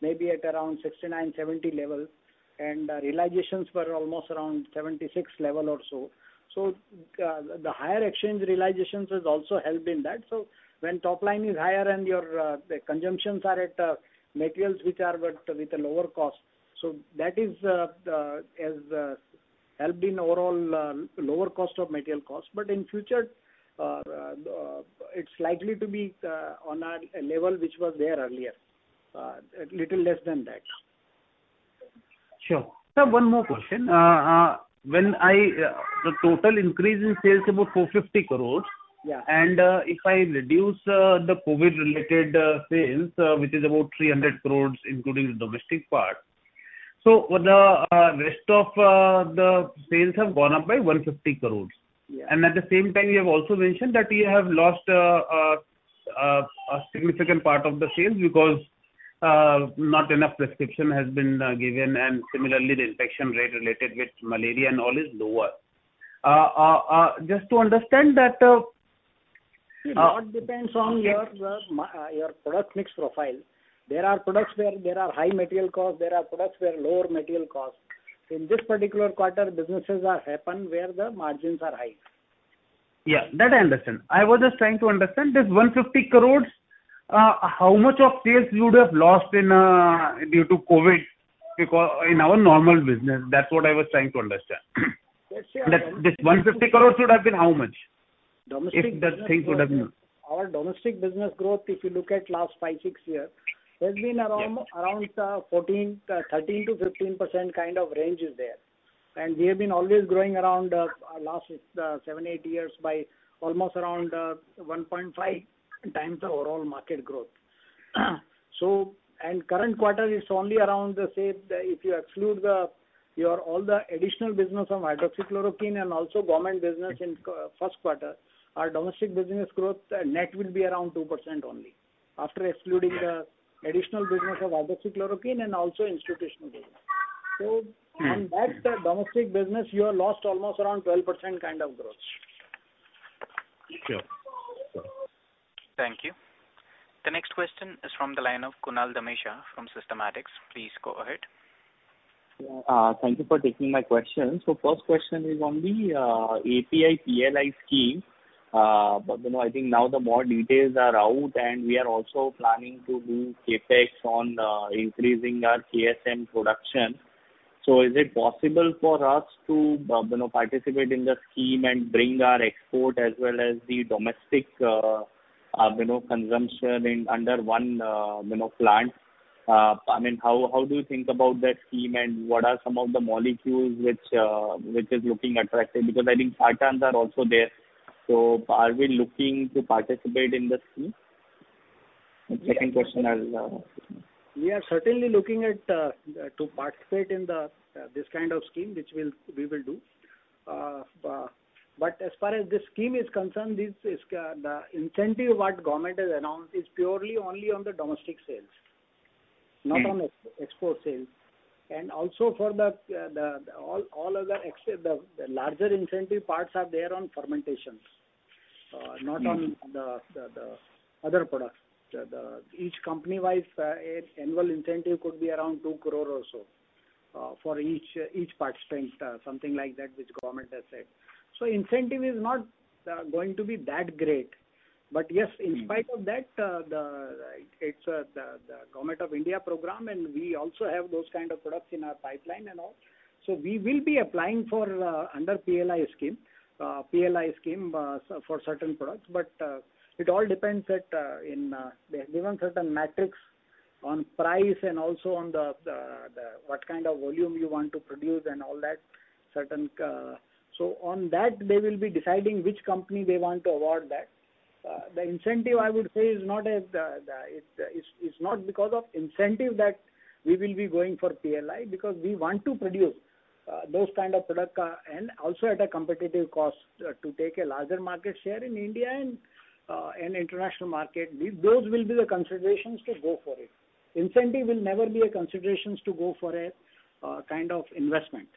maybe at around 69, 70 level, and realizations were almost around 76 level or so. The higher exchange realizations has also helped in that. When top line is higher and your consumptions are at materials which are with a lower cost, that has helped in overall lower cost of material costs. In future, it's likely to be on a level which was there earlier, a little less than that. Sure. Sir, one more question. The total increase in sales is about 450 crores. Yeah. If I reduce the COVID-related sales, which is about 300 crores, including the domestic part. The rest of the sales have gone up by 150 crores. Yeah. At the same time, you have also mentioned that you have lost a significant part of the sales because not enough prescription has been given, and similarly, the infection rate related with malaria and all is lower. It all depends on your product mix profile. There are products where there are high material cost, there are products where lower material cost. In this particular quarter, businesses are happen where the margins are high. Yeah. That I understand. I was just trying to understand this 150 crore, how much of sales you would have lost due to COVID in our normal business. That's what I was trying to understand. This 150 crore should have been how much? If the thing would have been. Our domestic business growth, if you look at last five, six years, has been around 13%-15% kind of range is there. We have been always growing around last seven, eight years by almost around 1.5x the overall market growth. Current quarter is only around the same, if you exclude your all the additional business of hydroxychloroquine and also government business in first quarter, our domestic business growth net will be around 2% only after excluding the additional business of hydroxychloroquine and also institutional business. On that domestic business, you have lost almost around 12% kind of growth. Sure. Thank you. The next question is from the line of Kunal Dhamesha from Systematix. Please go ahead. Thank you for taking my question. First question is on the API PLI scheme. I think now the more details are out, and we are also planning to do CapEx on increasing our KSM production. So is it possible for us to participate in the scheme and bring our export as well as the domestic consumption under one plant? How do you think about that scheme, and what are some of the molecules which are looking attractive? I think sartans are also there. Are we looking to participate in the scheme? Second question I'll ask you. We are certainly looking to participate in this kind of scheme, which we will do. As far as this scheme is concerned, the incentive that Government has announced is purely only on the domestic sales, not on export sales. Also, the larger incentive parts are there on fermentations, not on the other products. Each company-wise annual incentive could be around 2 crore or so for each participant, something like that, which Government has said. Incentive is not going to be that great. Yes, in spite of that, it's the Government of India program, and we also have those kind of products in our pipeline and all. We will be applying under PLI scheme for certain products, but it all depends. They have given certain metrics on price and also on what kind of volume you want to produce and all that. On that, they will be deciding which company they want to award that. The incentive, I would say, is not because of incentive that we will be going for PLI, because we want to produce those kind of products and also at a competitive cost to take a larger market share in India and international market. Those will be the considerations to go for it. Incentive will never be a consideration to go for a kind of investment.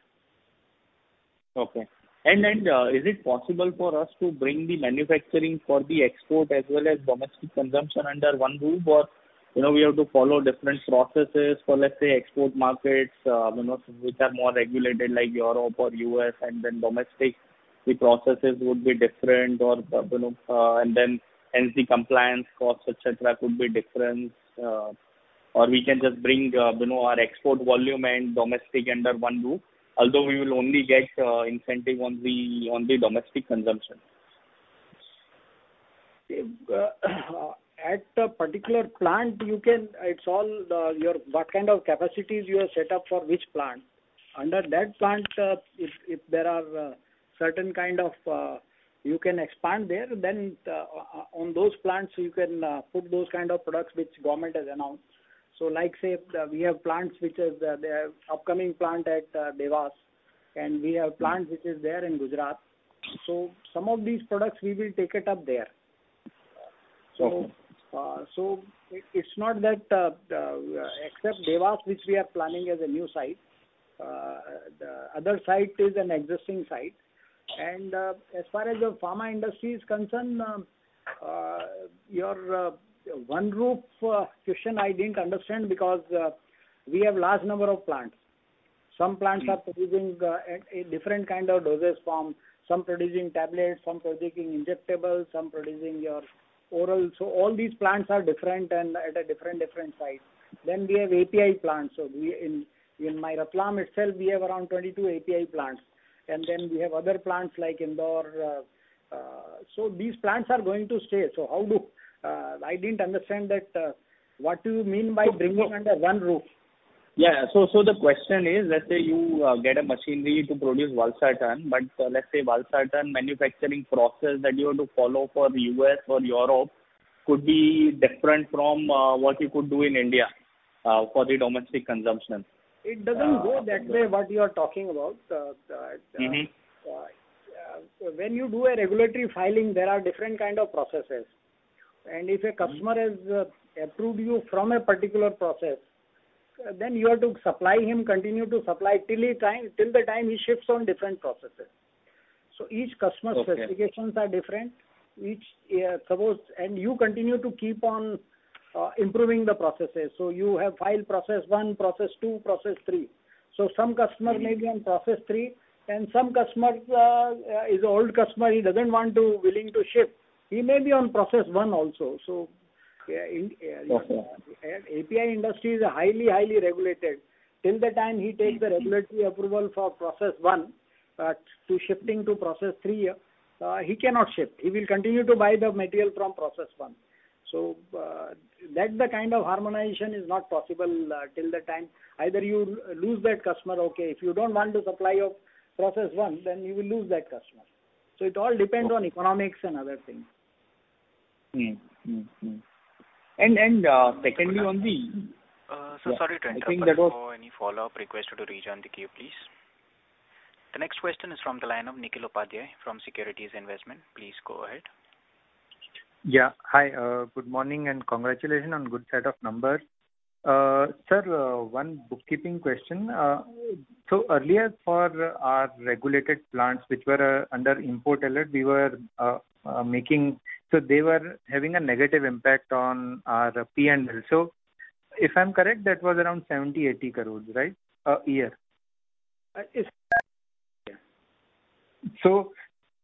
Okay. Is it possible for us to bring the manufacturing for the export as well as domestic consumption under one roof? Or, we have to follow different processes for, let's say, export markets which are more regulated like Europe or U.S., and then domestically, processes would be different and then NC compliance costs, et cetera, could be different. Or we can just bring our export volume and domestic under one roof, although we will only get incentive on the domestic consumption. At a particular plant, it's all what kind of capacities you have set up for which plant. Under that plant, if there are certain kind, you can expand there, on those plants you can put those kind of products which government has announced. Like say, we have plants, the upcoming plant at Dewas, and we have plant which is there in Gujarat. Some of these products, we will take it up there. Okay. Except Dewas, which we are planning as a new site, the other site is an existing site. As far as the pharma industry is concerned, your one roof question I didn't understand because we have large number of plants. Some plants are producing a different kind of dosage form, some producing tablets, some producing injectables, some producing your oral. All these plants are different and at a different site. We have API plants. In Ratlam plant itself, we have around 22 API plants, and then we have other plants like Indore. These plants are going to stay. I didn't understand what you mean by bringing under one roof. Yeah. The question is, let's say you get a machinery to produce valsartan, but let's say valsartan manufacturing process that you have to follow for the U.S. or Europe could be different from what you could do in India for the domestic consumption. It doesn't go that way, what you are talking about. When you do a regulatory filing, there are different kind of processes. If a customer has approved you from a particular process, then you have to supply him, continue to supply till the time he shifts on different processes. Each customer's specifications are different. You continue to keep on improving the processes. You have filed process one, process two, process three. Some customer may be on process three, and some customer is a old customer, he doesn't want to willing to shift. He may be on process one also. Okay. API industry is highly regulated. Till the time he takes the regulatory approval for process one to shifting to process three, he cannot shift. He will continue to buy the material from process one. That kind of harmonization is not possible till the time. Either you lose that customer, okay. If you don't want to supply your process one, you will lose that customer. It all depends on economics and other things. Secondly. Sir, sorry to interrupt. For any follow-up request, do rejoin the queue, please. The next question is from the line of Nikhil Upadhyay from Securities Investment. Please go ahead. Hi, good morning. Congratulations on good set of numbers. Sir, one bookkeeping question. Earlier, for our regulated plants which were under import alert, they were having a negative impact on our P&L. If I'm correct, that was around 70 crore-80 crore, right? A year.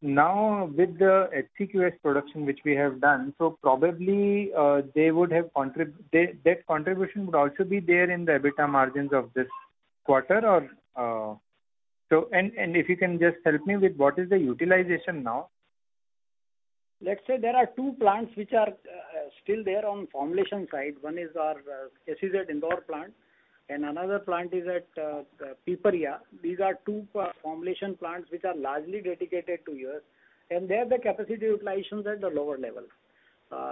Now with the HCQS production which we have done, probably their contribution would also be there in the EBITDA margins of this quarter. If you can just help me with what is the utilization now? Let's say there are two plants which are still there on the formulation side. One is our SEZ Indore plant, and another plant is at Piparia. These are two formulation plants which are largely dedicated to U.S., and there the capacity utilization is at the lower level.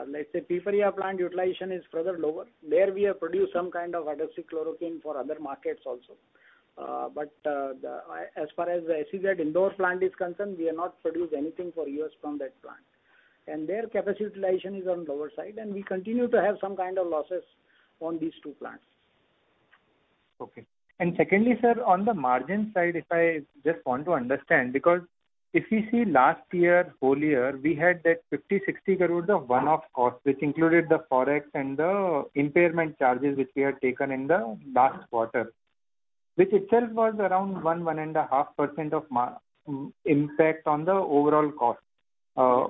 Let's say Piparia plant utilization is further lower. There we have produced some kind of hydroxychloroquine for other markets also. As far as the SEZ Indore plant is concerned, we have not produced anything for U.S. from that plant. Their capacity utilization is on the lower side, and we continue to have some kind of losses on these two plants. Okay. Secondly, sir, on the margin side, if I just want to understand, because if we see last year, whole year, we had that 50 crore-60 crore of one-off cost, which included the forex and the impairment charges which we had taken in the last quarter, which itself was around 1%-1.5% of impact on the overall cost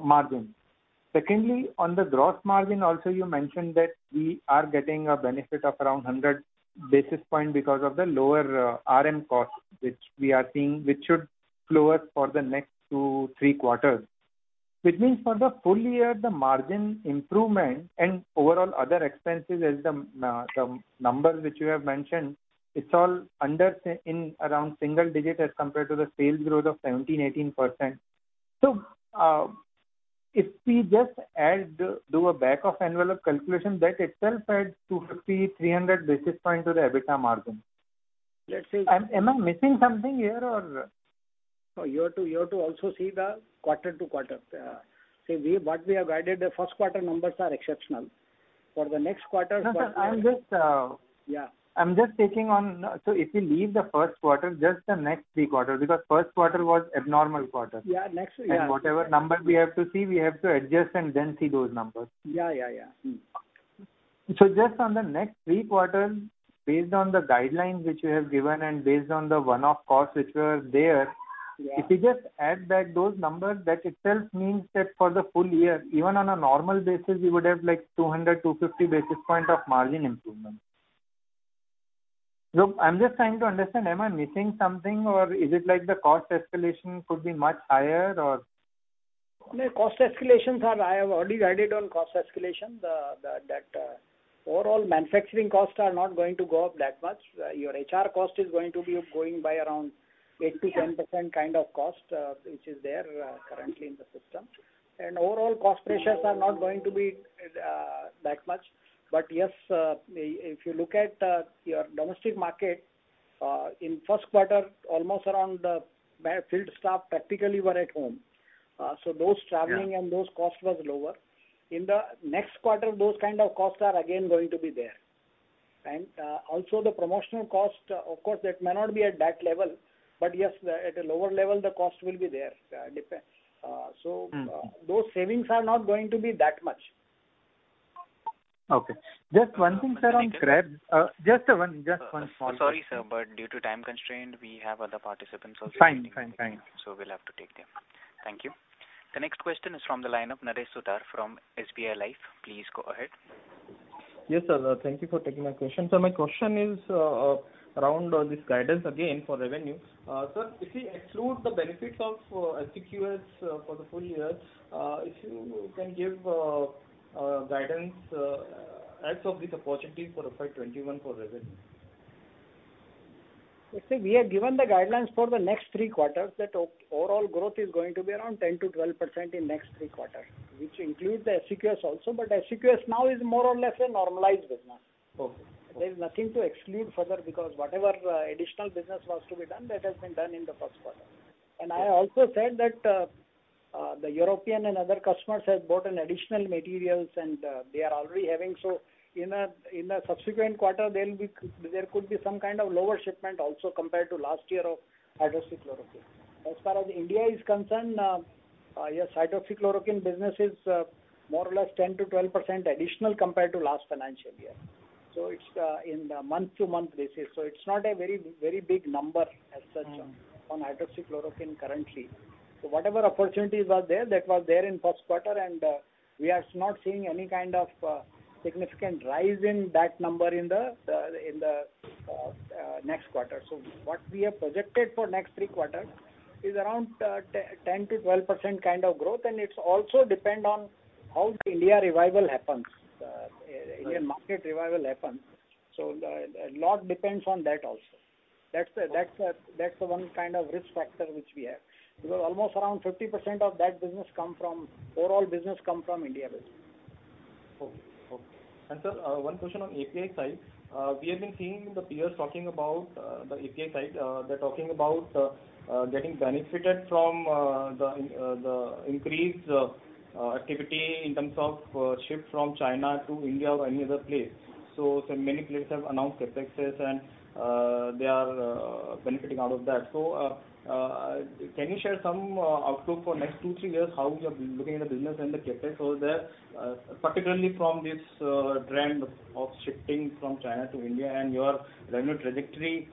margin. Secondly, on the gross margin also, you mentioned that we are getting a benefit of around 100 basis points because of the lower RM cost, which we are seeing, which should flow for the next two, three quarters. Which means for the full-year, the margin improvement and overall other expenses as the numbers which you have mentioned, it's all under in around single digit as compared to the sales growth of 17%-18%. If we just do a back of envelope calculation, that itself adds 250 basis points, 300 basis points to the EBITDA margin. Let's say- Am I missing something here or? No, you have to also see the quarter to quarter. What we have guided the first quarter numbers are exceptional. For the next quarter. No, sir, I'm just. Yeah. If we leave the first quarter, just the next three quarters, because first quarter was abnormal quarter. Yeah, next three. Whatever number we have to see, we have to adjust and then see those numbers. Yeah. Just on the next three quarters, based on the guidelines which you have given and based on the one-off costs which were there. Yeah. If you just add back those numbers, that itself means that for the full-year, even on a normal basis, we would have 200, 250 basis points of margin improvement. I'm just trying to understand, am I missing something or is it like the cost escalation could be much higher or? I have already guided on cost escalation, that overall manufacturing costs are not going to go up that much. Your HR cost is going to be going by around 8%-10% kind of cost, which is there currently in the system. Overall cost pressures are not going to be that much. Yes, if you look at your domestic market, in first quarter, almost around the field staff practically were at home. Those traveling and those cost was lower. In the next quarter, those kind of costs are again going to be there. Also the promotional cost, of course, that may not be at that level, but yes, at a lower level, the cost will be there. Depends. Those savings are not going to be that much. Okay. Just one thing, sir, on Krebs. Just one small thing. Sorry, sir, due to time constraint, we have other participants also. Fine. We'll have to take them. Thank you. The next question is from the line of Naresh Suthar from SBI Life. Please go ahead. Yes, sir. Thank you for taking my question. Sir, my question is around this guidance again for revenue. Sir, if we exclude the benefits of HCQS for the full-year, if you can give guidance as of this opportunity for FY 2021 for revenue. Let's say we have given the guidelines for the next three quarters that overall growth is going to be around 10%-12% in next three quarters, which includes the HCQS also. HCQS now is more or less a normalized business. Okay. There is nothing to exclude further because whatever additional business was to be done, that has been done in the first quarter. I also said that the European and other customers have bought an additional materials, and they are already having. In a subsequent quarter, there could be some kind of lower shipment also compared to last year of hydroxychloroquine. As far as India is concerned, your hydroxychloroquine business is more or less 10%-12% additional compared to last financial year. It's in a month-to-month basis. It's not a very big number as such on hydroxychloroquine currently. Whatever opportunities were there, that was there in first quarter, and we are not seeing any kind of significant rise in that number in the next quarter. What we have projected for next three quarters is around 10%-12% kind of growth, and it also depend on how the India revival happens, Indian market revival happens. A lot depends on that also. That's the one kind of risk factor which we have. Almost around 50% of that business come from overall business come from India business. Okay. Sir, one question on API side. We have been seeing the peers talking about the API side. They're talking about getting benefited from the increased activity in terms of shift from China to India or any other place. Many players have announced CapExes and they are benefiting out of that. Can you share some outlook for next two, three years, how you are looking at the business and the CapEx over there, particularly from this trend of shifting from China to India and your revenue trajectory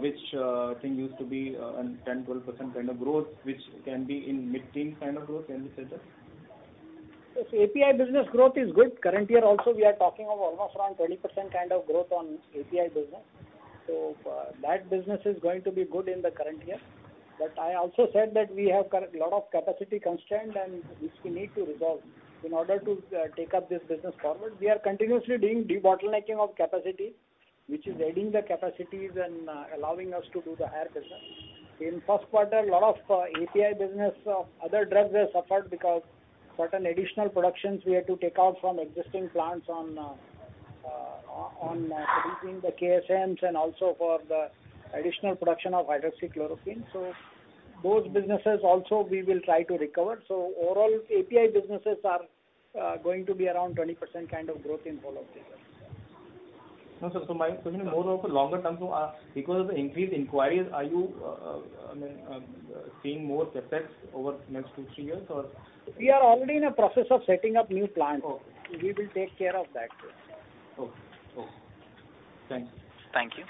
which I think used to be a 10%, 12% kind of growth, which can be in mid-teen kind of growth. Can you say, sir? API business growth is good. Currently, we are talking of almost around 20% kind of growth on API business. That business is going to be good in the current year. I also said that we have a lot of capacity constraint and which we need to resolve in order to take up this business forward. We are continuously doing debottlenecking of capacity, which is adding the capacities and allowing us to do the higher business. In first quarter, a lot of API business of other drugs have suffered because certain additional productions we had to take out from existing plants on producing the KSM and also for the additional production of hydroxychloroquine. Those businesses also we will try to recover. Overall, API businesses are going to be around 20% kind of growth in whole of this year. No, sir. My question is more of a longer-term. Because of the increased inquiries, are you seeing more CapEx over the next two, three years? We are already in a process of setting up new plants. Okay. We will take care of that. Okay. Thanks. Thank you.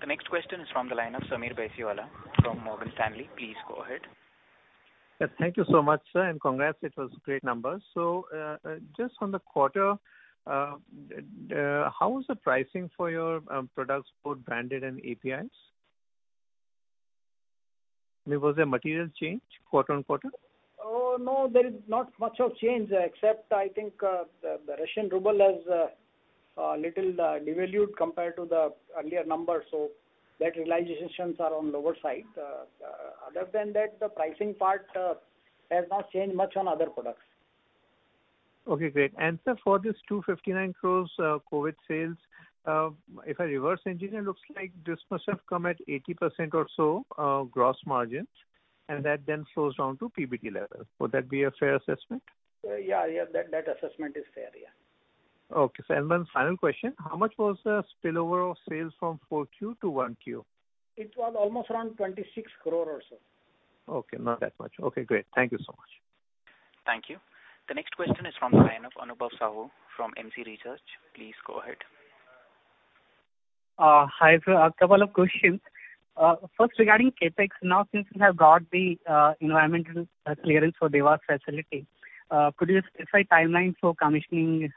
The next question is from the line of Sameer Baisiwala from Morgan Stanley. Please go ahead. Thank you so much, sir, and congrats. It was great numbers. Just on the quarter, how is the pricing for your products, both branded and APIs? I mean, was there material change quarter-on-quarter? There is not much of change, except I think the Russian ruble has a little devalued compared to the earlier numbers, so that realizations are on lower side. Other than that, the pricing part has not changed much on other products. Okay, great. Sir, for this 259 crores COVID sales, if I reverse engineer, looks like this must have come at 80% or so gross margin, and that then flows down to PBT level. Would that be a fair assessment? Yeah. That assessment is fair. Okay. One final question. How much was the spillover of sales from Q4-Q1? It was almost around 26 crore or so. Okay. Not that much. Okay, great. Thank you so much. Thank you. The next question is from the line of Anubhav Sahu from MC Research. Please go ahead. Hi, sir. A couple of questions. First, regarding CapEx, now since you have got the environmental clearance for Dewas facility, could you just specify timeline for commissioning?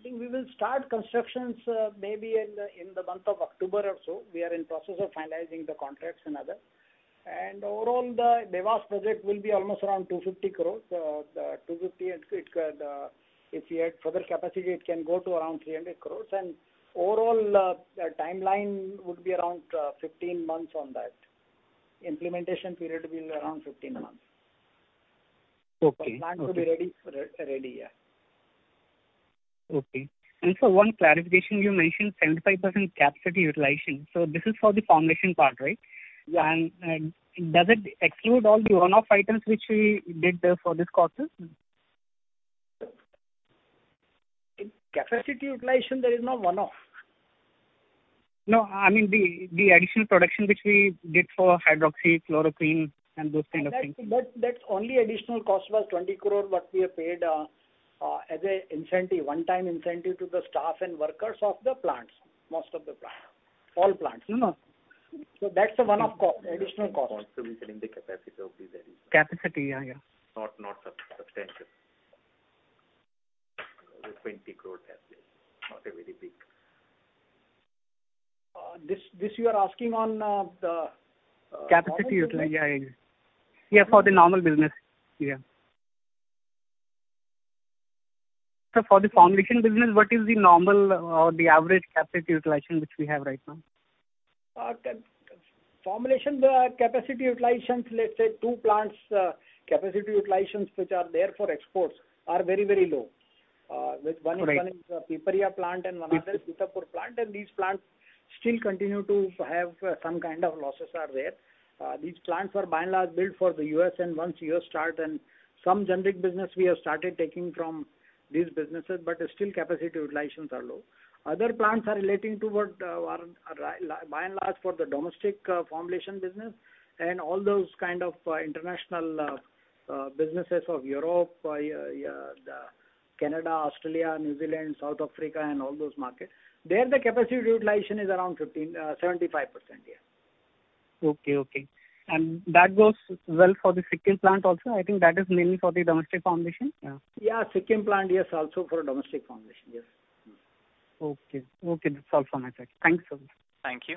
Yeah. I think we will start constructions maybe in the month of October or so. We are in process of finalizing the contracts and other. Overall, the Dewas project will be almost around 250 crores. The 250 crores, if we add further capacity, it can go to around 300 crores and overall timeline would be around 15 months on that. Implementation period will be around 15 months. Okay. The plant will be ready. Okay. Sir, one clarification. You mentioned 75% capacity utilization. This is for the formulation part, right? Yeah. Does it exclude all the one-off items which we did there for this causes? In capacity utilization, there is no one-off. No, I mean the additional production which we did for hydroxychloroquine and those kind of things. That's only additional cost was 20 crore what we have paid as a one-time incentive to the staff and workers of the plants. Most of the plants. All plants. No. That's the one-off additional cost. Consuming the capacity of these areas. Capacity, yeah. Not substantial. The INR 20 crore capacity. Not very big. This you are asking on the. Capacity utilization. Yeah. For the normal business. Yeah. Sir, for the formulation business, what is the normal or the average capacity utilization which we have right now? Formulation capacity utilizations, let's say two plants capacity utilizations which are there for exports are very low. One is Piparia plant and one is SEZ Indore plant, and these plants still continue to have some kind of losses are there. These plants were by and large built for the U.S. and once U.S. start and some generic business we have started taking from these businesses, but still capacity utilizations are low. Other plants are relating to what are by and large for the domestic formulation business and all those kind of international businesses of Europe, Canada, Australia, New Zealand, South Africa, and all those markets. There the capacity utilization is around 75%. Yeah. Okay. That goes well for the Sikkim plant also? I think that is mainly for the domestic formulation. Yeah. Yeah. Sikkim plant, yes. Also for domestic formulation. Yes. Okay. That's all from my side. Thanks a lot. Thank you.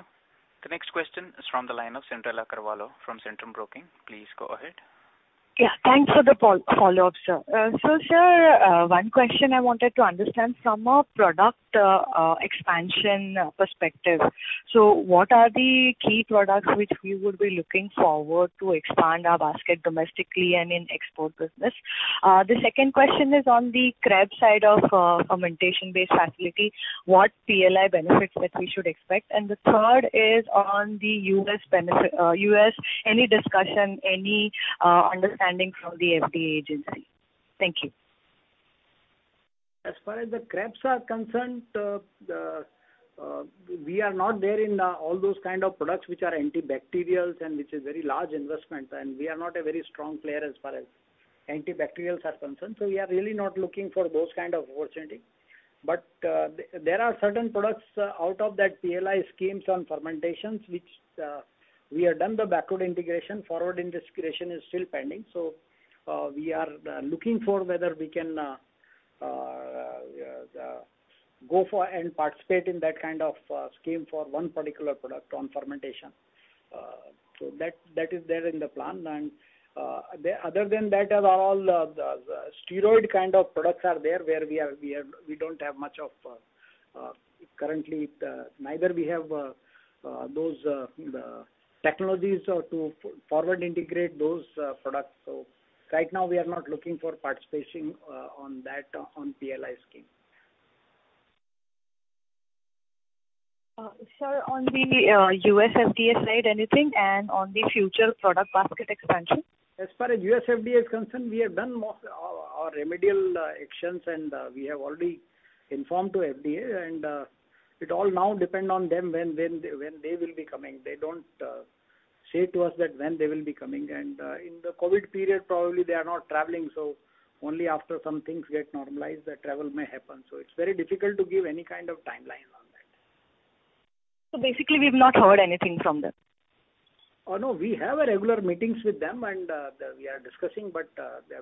The next question is from the line of Cyndrella Carvalho from Centrum Broking. Please go ahead. Yeah, thanks for the follow-up, sir. Sir, one question I wanted to understand from a product expansion perspective. What are the key products which we would be looking forward to expand our basket domestically and in export business? The second question is on the Krebs side of fermentation-based facility, what PLI benefits that we should expect? The third is on the U.S. Any discussion, any understanding from the FDA agency? Thank you. As far as the Krebs are concerned, we are not there in all those kind of products which are antibacterials and which is very large investment, and we are not a very strong player as far as antibacterials are concerned. We are really not looking for those kind of opportunity. There are certain products out of that PLI schemes on fermentations, which we have done the backward integration. Forward integration is still pending. We are looking for whether we can go for and participate in that kind of scheme for one particular product on fermentation. That is there in the plan, and other than that, all the steroid kind of products are there where we don't have much of currently, neither we have those technologies to forward integrate those products. Right now we are not looking for participating on that PLI scheme. Sir, on the U.S. FDA side, anything? On the future product basket expansion? As far as U.S. FDA is concerned, we have done most our remedial actions, and we have already informed to FDA, and it all now depend on them when they will be coming. They don't say to us that when they will be coming, and in the COVID period, probably they are not traveling. Only after some things get normalized, travel may happen. It's very difficult to give any kind of timeline on that. Basically, we've not heard anything from them? No, we have regular meetings with them and we are discussing, but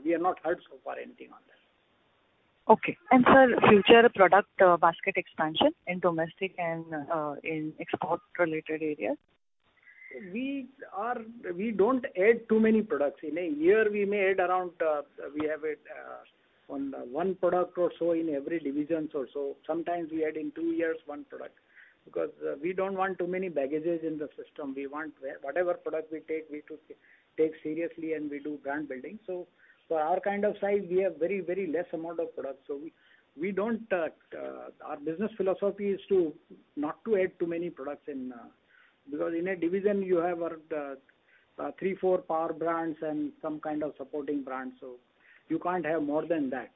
we have not heard so far anything on that. Okay. Sir, future product basket expansion in domestic and in export related areas? We don't add too many products. In a year, we may add around one product or so in every division or so. Sometimes we add in two years, one product. We don't want too many baggages in the system. Whatever product we take, we take seriously, and we do brand building. For our kind of size, we have very less amount of products. Our business philosophy is not to add too many products in because in a division you have three, four power brands and some kind of supporting brands, so you can't have more than that.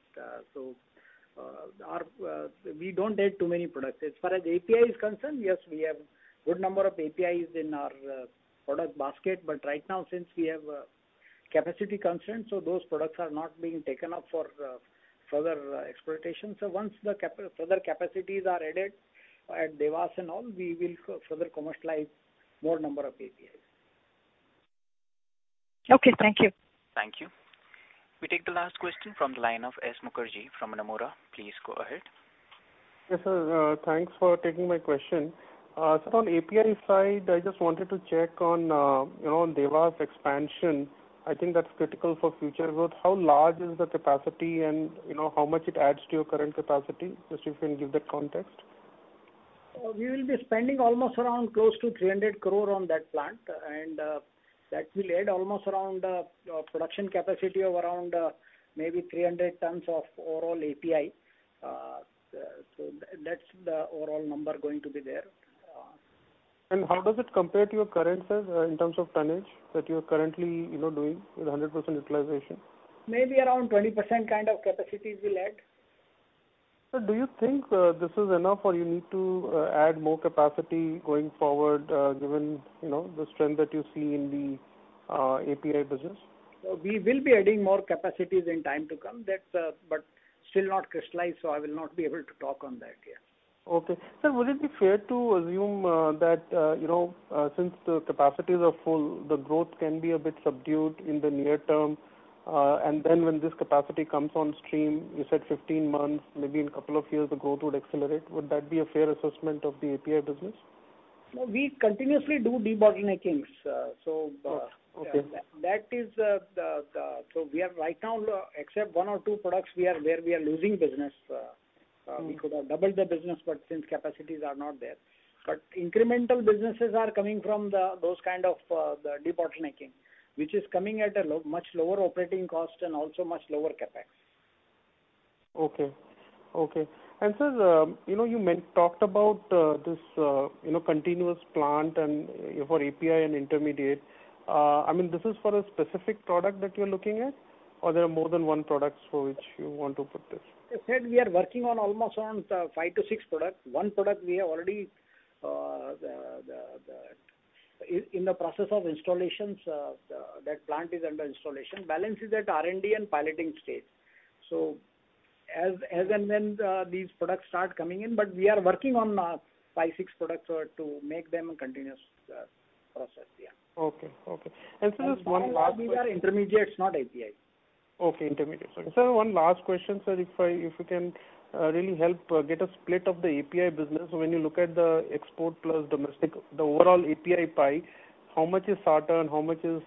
We don't add too many products. As far as API is concerned, yes, we have good number of APIs in our product basket. Right now, since we have capacity constraints, so those products are not being taken up for further exploitation. Once the further capacities are added at Dewas and all, we will further commercialize more number of APIs. Okay, thank you. Thank you. We take the last question from the line of S. Mukherjee from Nomura. Please go ahead. Yes, sir. Thanks for taking my question. Sir, on API side, I just wanted to check on Dewas expansion. I think that's critical for future growth. How large is the capacity and how much it adds to your current capacity? Just if you can give that context. We will be spending almost around close to 300 crore on that plant, that will add almost around a production capacity of around maybe 300 tons of overall API. That's the overall number going to be there. How does it compare to your current, sir, in terms of tonnage that you're currently doing with 100% utilization? Maybe around 20% kind of capacities we'll add. Sir, do you think this is enough or you need to add more capacity going forward given the strength that you see in the API business? We will be adding more capacities in time to come, but still not crystallized, so I will not be able to talk on that yet. Okay. Sir, would it be fair to assume that since the capacities are full, the growth can be a bit subdued in the near term, and then when this capacity comes on stream, you said 15 months, maybe in couple of years, the growth would accelerate, would that be a fair assessment of the API business? No, we continuously do bottleneckings. Okay. We are right now, except one or two products where we are losing business. We could have doubled the business, but since capacities are not there. Incremental businesses are coming from those kind of the debottlenecking, which is coming at a much lower operating cost and also much lower CapEx. Okay. Sir, you talked about this continuous plant for API and intermediate. This is for a specific product that you're looking at or there are more than one products for which you want to put this? I said we are working on almost on five to six products. One product, we are already in the process of installations. That plant is under installation. Balance is at R&D and piloting stage. As and when these products start coming in, but we are working on five, six products to make them a continuous process, yeah. Okay. Sir, there's one last question. All these are intermediates, not API. Okay, intermediates. Sir, one last question, sir, if you can really help get a split of the API business. When you look at the export plus domestic, the overall API pie, how much is sartan? How much is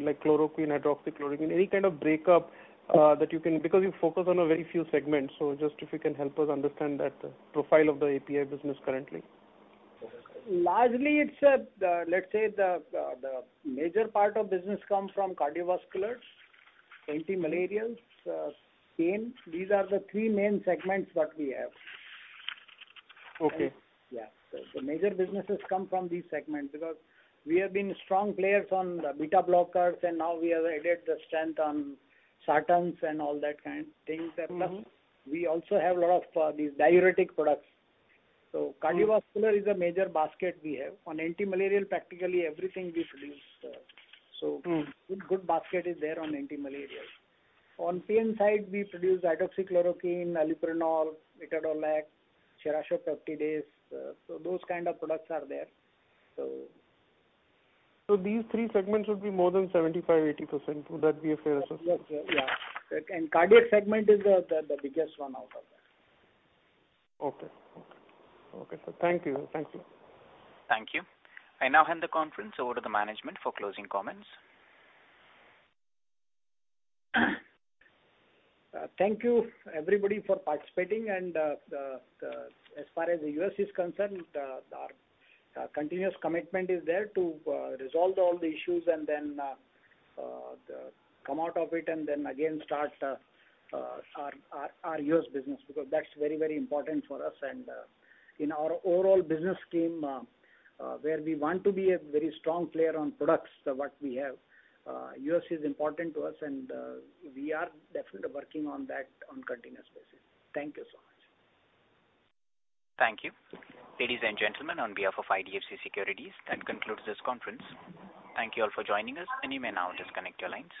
like chloroquine, hydroxychloroquine? Any kind of break up that you can because you focus on a very few segments, so just if you can help us understand that profile of the API business currently. Largely, let's say the major part of business comes from cardiovasculars, anti-malarials, pain. These are the three main segments that we have. Okay. Yeah. Major businesses come from these segments because we have been strong players on the beta blockers, and now we have added the strength on sartans and all that kind things. Plus, we also have a lot of these diuretic products. Cardiovascular is a major basket we have. On anti-malarial, practically everything we produce. Good basket is there on anti-malarials. On pain side, we produce hydroxychloroquine, allopurinol, etodolac, terazosin. Those kind of products are there. These three segments would be more than 75%, 80%? Would that be a fair assessment? Yes, sir. Yeah. Cardiac segment is the biggest one out of that. Okay. Sir, thank you. Thank you. I now hand the conference over to the management for closing comments. Thank you, everybody, for participating. As far as the U.S. is concerned, our continuous commitment is there to resolve all the issues and then come out of it, and then again start our U.S. business, because that's very important for us. In our overall business scheme, where we want to be a very strong player on products, what we have, U.S. is important to us and we are definitely working on that on continuous basis. Thank you so much. Thank you. Ladies and gentlemen, on behalf of IDFC Securities, that concludes this conference. Thank you all for joining us, and you may now disconnect your lines.